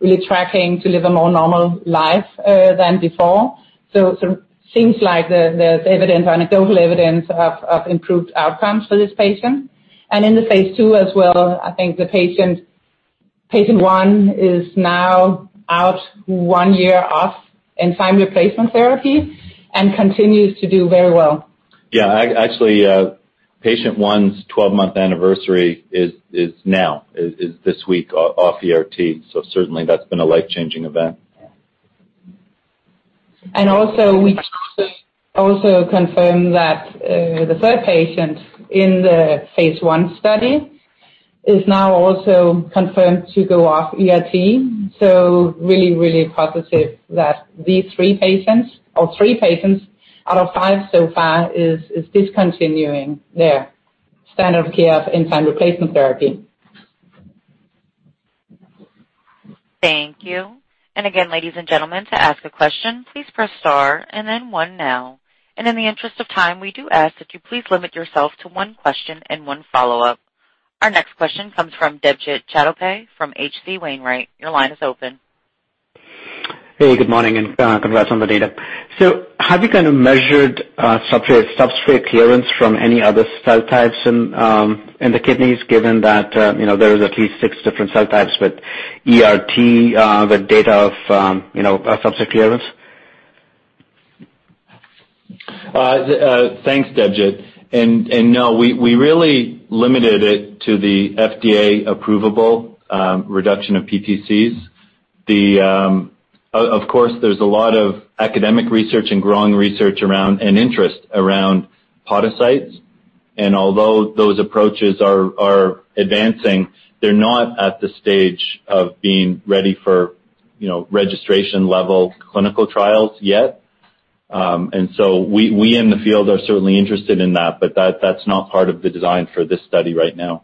D: really tracking to live a more normal life than before. It seems like there's anecdotal evidence of improved outcomes for this patient. In the phase II as well, I think the patient one is now out one year off enzyme replacement therapy and continues to do very well.
C: Yeah. Actually, patient one's 12-month anniversary is now, is this week off ERT. Certainly that's been a life-changing event.
D: We also confirmed that the third patient in the phase I study is now also confirmed to go off ERT. Really, really positive that these three patients, or three patients out of five so far, is discontinuing their standard of care enzyme replacement therapy.
A: Thank you. Again, ladies and gentlemen, to ask a question, please press star and then one now. In the interest of time, we do ask that you please limit yourself to one question and one follow-up. Our next question comes from Debjit Chattopadhyay from H.C. Wainwright. Your line is open.
K: Hey, good morning, congrats on the data. Have you kind of measured substrate clearance from any other cell types in the kidneys, given that there is at least six different cell types with ERT with data of substrate clearance?
C: Thanks, Debjit. No, we really limited it to the FDA approvable reduction of PTCs. Of course, there's a lot of academic research and growing research and interest around podocytes. Although those approaches are advancing, they're not at the stage of being ready for registration-level clinical trials yet. We in the field are certainly interested in that, but that's not part of the design for this study right now.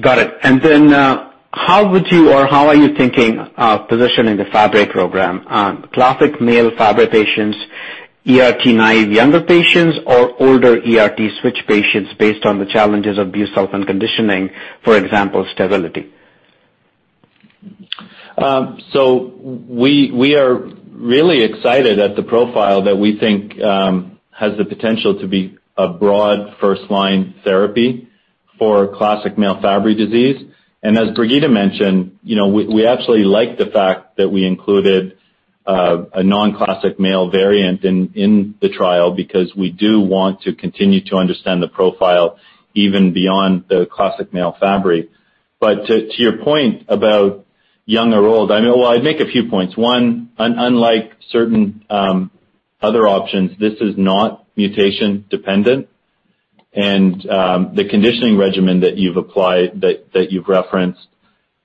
K: Got it. How would you or how are you thinking of positioning the Fabry program on classic male Fabry patients, ERT naive younger patients, or older ERT switch patients based on the challenges of busulfan conditioning, for example, stability?
C: We are really excited at the profile that we think has the potential to be a broad first-line therapy for classic male Fabry disease. As Birgitte mentioned, we actually like the fact that we included a non-classic male variant in the trial because we do want to continue to understand the profile even beyond the classic male Fabry. To your point about young or old, I'd make a few points. One, unlike certain other options, this is not mutation dependent. The conditioning regimen that you've referenced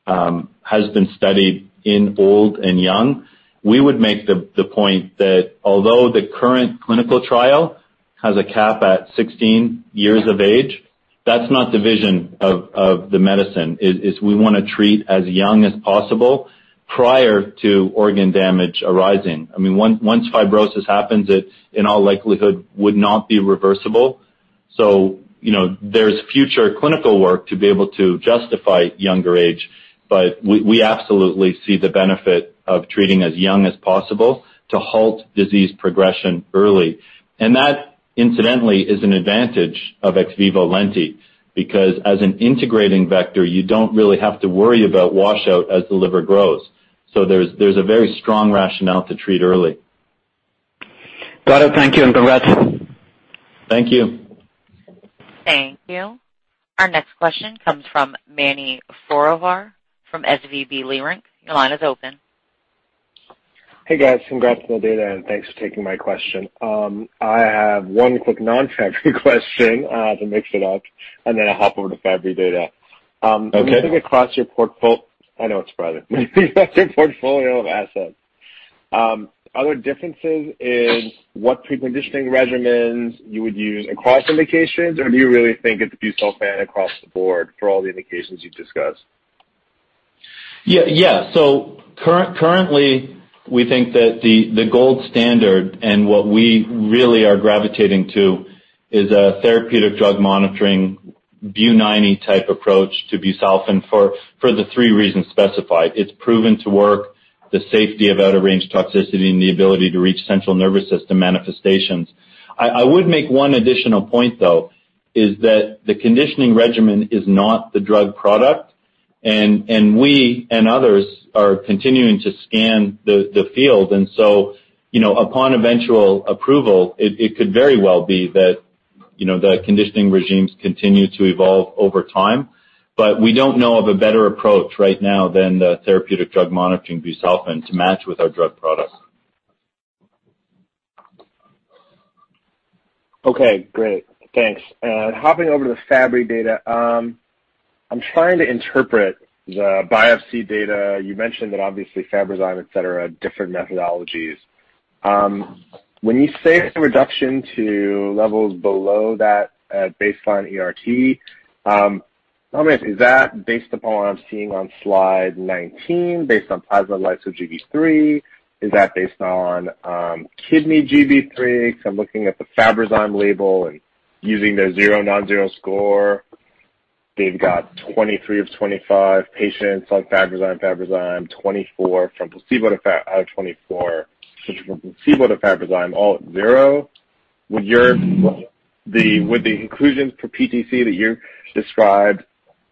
C: has been studied in old and young. We would make the point that although the current clinical trial has a cap at 16 years of age, that's not the vision of the medicine. We want to treat as young as possible prior to organ damage arising. Once fibrosis happens, it, in all likelihood, would not be reversible. There's future clinical work to be able to justify younger age, we absolutely see the benefit of treating as young as possible to halt disease progression early. That, incidentally, is an advantage of ex vivo lenti because as an integrating vector, you don't really have to worry about washout as the liver grows. There's a very strong rationale to treat early.
K: Got it. Thank you, congrats.
C: Thank you.
A: Thank you. Our next question comes from Mani Foroohar from SVB Leerink. Your line is open.
L: Hey, guys. Congrats on the data. Thanks for taking my question. I have one quick non-Fabry question to mix it up. Then I'll hop over to Fabry data.
C: Okay.
L: When you think across your portfolio of assets, I know it's Friday. Are there differences in what preconditioning regimens you would use across indications, or do you really think it's busulfan across the board for all the indications you've discussed?
C: Yeah. Currently, we think that the gold standard and what we really are gravitating to is a therapeutic drug monitoring, Bu90 type approach to busulfan for the three reasons specified. It is proven to work, the safety of out-of-range toxicity, and the ability to reach central nervous system manifestations. I would make one additional point, though, is that the conditioning regimen is not the drug product, and we and others are continuing to scan the field. Upon eventual approval, it could very well be that the conditioning regimes continue to evolve over time. We do not know of a better approach right now than the therapeutic drug monitoring busulfan to match with our drug product.
L: Okay, great. Thanks. Hopping over to the Fabry data. I am trying to interpret the biopsy data. You mentioned that obviously Fabrazyme, et cetera, different methodologies. When you say a reduction to levels below that at baseline ERT, I am going to say, is that based upon what I am seeing on slide 19, based on plasma lyso-Gb3? Is that based on kidney Gb3? Because I am looking at the Fabrazyme label and using their zero non-zero score. They have got 23 of 25 patients on Fabrazyme. 24 from placebo to Fabrazyme, all at zero. Would the inclusions for PTC that you described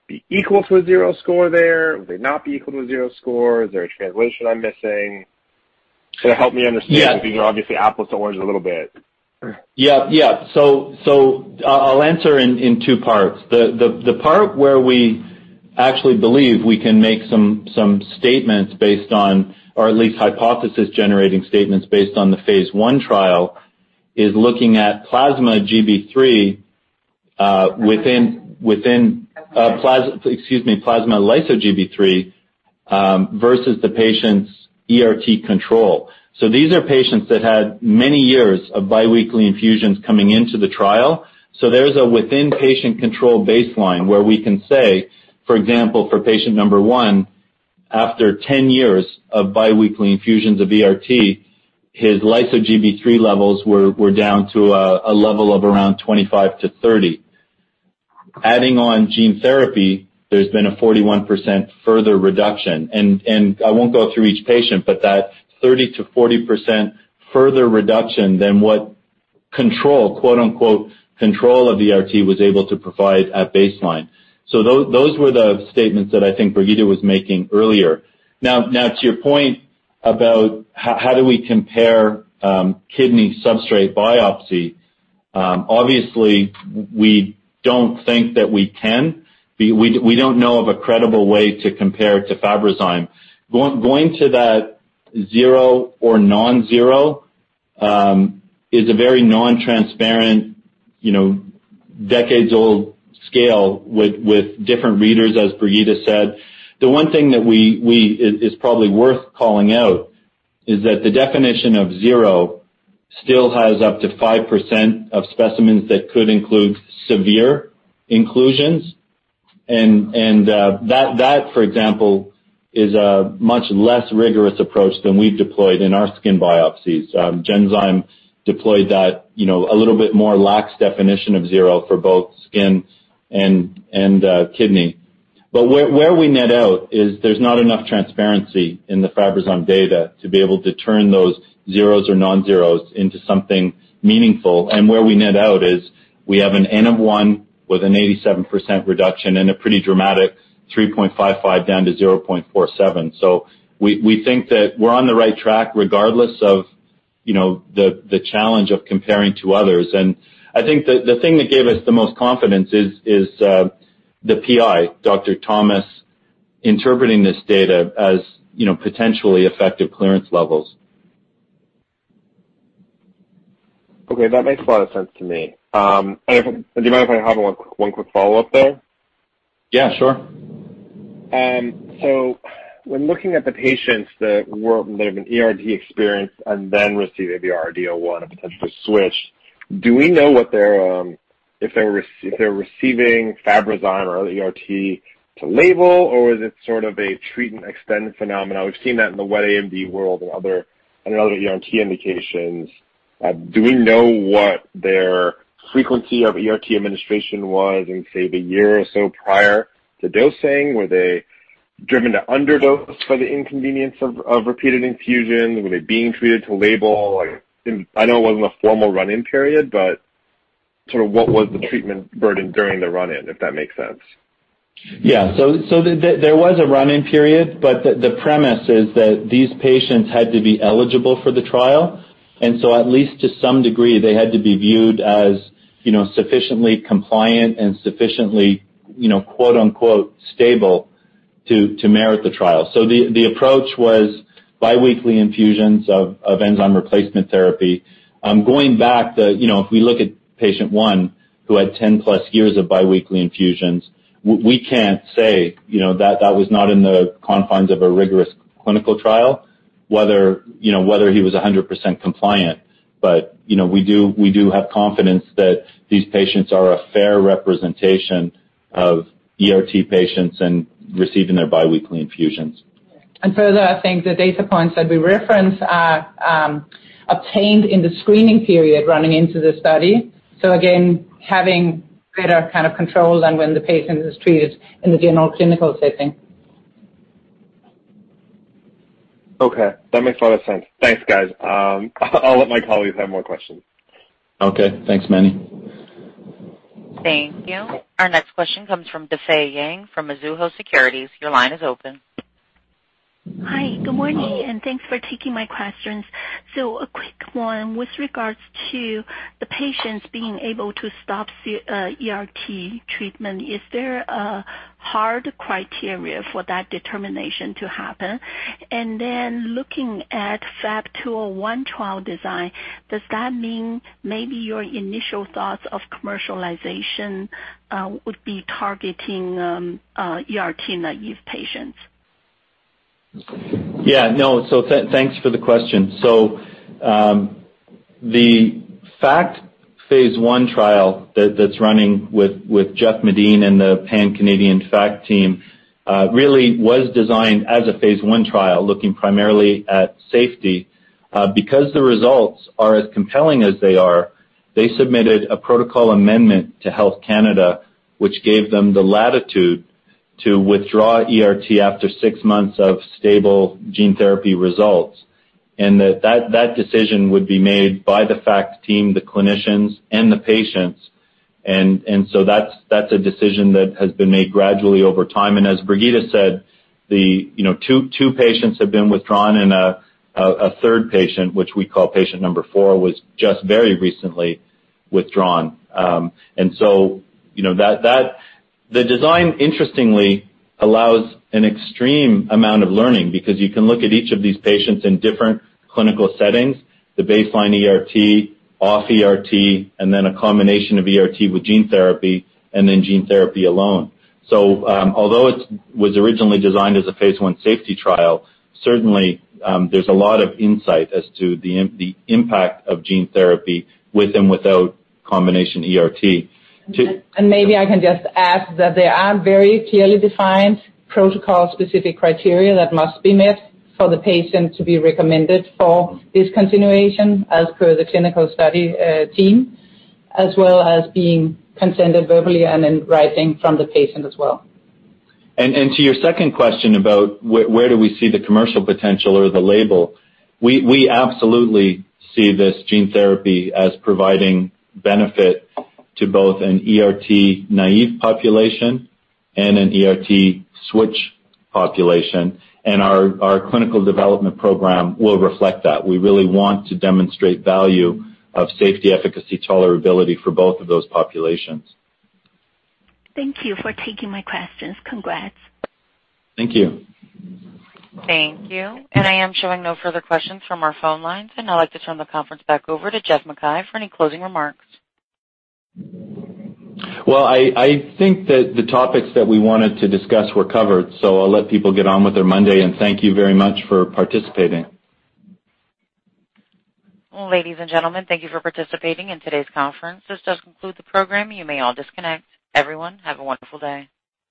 L: be equal to a zero score there? Would they not be equal to a zero score? Is there a translation I am missing? Help me understand-
C: Yeah.
L: Because they are obviously apples to oranges a little bit.
C: Yeah. I will answer in two parts. The part where we actually believe we can make some statements based on, or at least hypothesis-generating statements based on the phase I trial is looking at plasma Gb3 within, excuse me, plasma lyso-Gb3 versus the patient's ERT control. These are patients that had many years of biweekly infusions coming into the trial. There is a within-patient control baseline where we can say, for example, for patient number one, after 10 years of biweekly infusions of ERT, his lyso-Gb3 levels were down to a level of around 25-30. Adding on gene therapy, there has been a 41% further reduction. I will not go through each patient, but that 30%-40% further reduction than what "control" of ERT was able to provide at baseline. Those were the statements that I think Birgitte was making earlier. About how do we compare kidney substrate biopsy. Obviously, we don't think that we can. We don't know of a credible way to compare it to Fabrazyme. Going to that zero or non-zero is a very non-transparent, decades old scale with different readers, as Birgitte said. The one thing that is probably worth calling out is that the definition of zero still has up to 5% of specimens that could include severe inclusions, and that, for example, is a much less rigorous approach than we've deployed in our skin biopsies. Genzyme deployed that a little bit more lax definition of zero for both skin and kidney. Where we net out is there's not enough transparency in the Fabrazyme data to be able to turn those zeros or non-zeros into something meaningful. Where we net out is we have an N-of-1 with an 87% reduction and a pretty dramatic 3.55 down to 0.47. We think that we're on the right track regardless of the challenge of comparing to others. I think the thing that gave us the most confidence is the PI, Dr. Thomas, interpreting this data as potentially effective clearance levels.
L: That makes a lot of sense to me. Do you mind if I have one quick follow-up there?
C: Yeah sure.
L: When looking at the patients that have an ERT experience and then receive AVR-RD-01 and potentially switch, do we know if they're receiving Fabrazyme or ERT to label, or is it sort of a treatment extend phenomenon? We've seen that in the wet AMD world and other ERT indications. Do we know what their frequency of ERT administration was in, say, the year or so prior to dosing? Were they driven to underdose for the inconvenience of repeated infusions? Were they being treated to label? I know it wasn't a formal run-in period, but sort of what was the treatment burden during the run-in, if that makes sense.
C: Yeah. There was a run-in period, the premise is that these patients had to be eligible for the trial, at least to some degree, they had to be viewed as sufficiently compliant and sufficiently "stable" to merit the trial. The approach was biweekly infusions of enzyme replacement therapy. Going back, if we look at patient one who had 10+ years of biweekly infusions, we can't say. That was not in the confines of a rigorous clinical trial, whether he was 100% compliant. We do have confidence that these patients are a fair representation of ERT patients and receiving their biweekly infusions.
D: Further, I think the data points that we reference are obtained in the screening period running into the study. Again, having greater kind of control than when the patient is treated in the general clinical setting.
L: Okay, that makes a lot of sense. Thanks, guys. I'll let my colleagues have more questions.
C: Okay. Thanks, Mani.
A: Thank you. Our next question comes from Difei Yang from Mizuho Securities. Your line is open.
M: Hi. Good morning, and thanks for taking my questions. A quick one with regards to the patients being able to stop ERT treatment, is there a hard criteria for that determination to happen? Looking at FAB-201 trial design, does that mean maybe your initial thoughts of commercialization would be targeting ERT-naive patients?
C: Yeah, no. Thanks for the question. The FACTs phase I trial that's running with Jeff Medin and the Pan-Canadian FACTs team, really was designed as a phase I trial looking primarily at safety. Because the results are as compelling as they are, they submitted a protocol amendment to Health Canada, which gave them the latitude to withdraw ERT after six months of stable gene therapy results, and that decision would be made by the FACTs team, the clinicians, and the patients. That's a decision that has been made gradually over time. As Birgitte said, two patients have been withdrawn, and a third patient, which we call patient number four, was just very recently withdrawn. The design interestingly allows an extreme amount of learning because you can look at each of these patients in different clinical settings, the baseline ERT, off ERT, and then a combination of ERT with gene therapy, and then gene therapy alone. Although it was originally designed as a phase I safety trial, certainly, there is a lot of insight as to the impact of gene therapy with and without combination ERT.
D: Maybe I can just add that there are very clearly defined protocol-specific criteria that must be met for the patient to be recommended for discontinuation as per the clinical study team, as well as being consented verbally and in writing from the patient as well.
C: To your second question about where do we see the commercial potential or the label, we absolutely see this gene therapy as providing benefit to both an ERT-naive population and an ERT-switch population, and our clinical development program will reflect that. We really want to demonstrate value of safety, efficacy, tolerability for both of those populations.
M: Thank you for taking my questions. Congrats.
C: Thank you.
A: Thank you. I am showing no further questions from our phone lines, and I'd like to turn the conference back over to Geoff MacKay for any closing remarks.
C: I think that the topics that we wanted to discuss were covered, so I'll let people get on with their Monday, and thank you very much for participating.
A: Ladies and gentlemen, thank you for participating in today's conference. This does conclude the program. You may all disconnect. Everyone, have a wonderful day.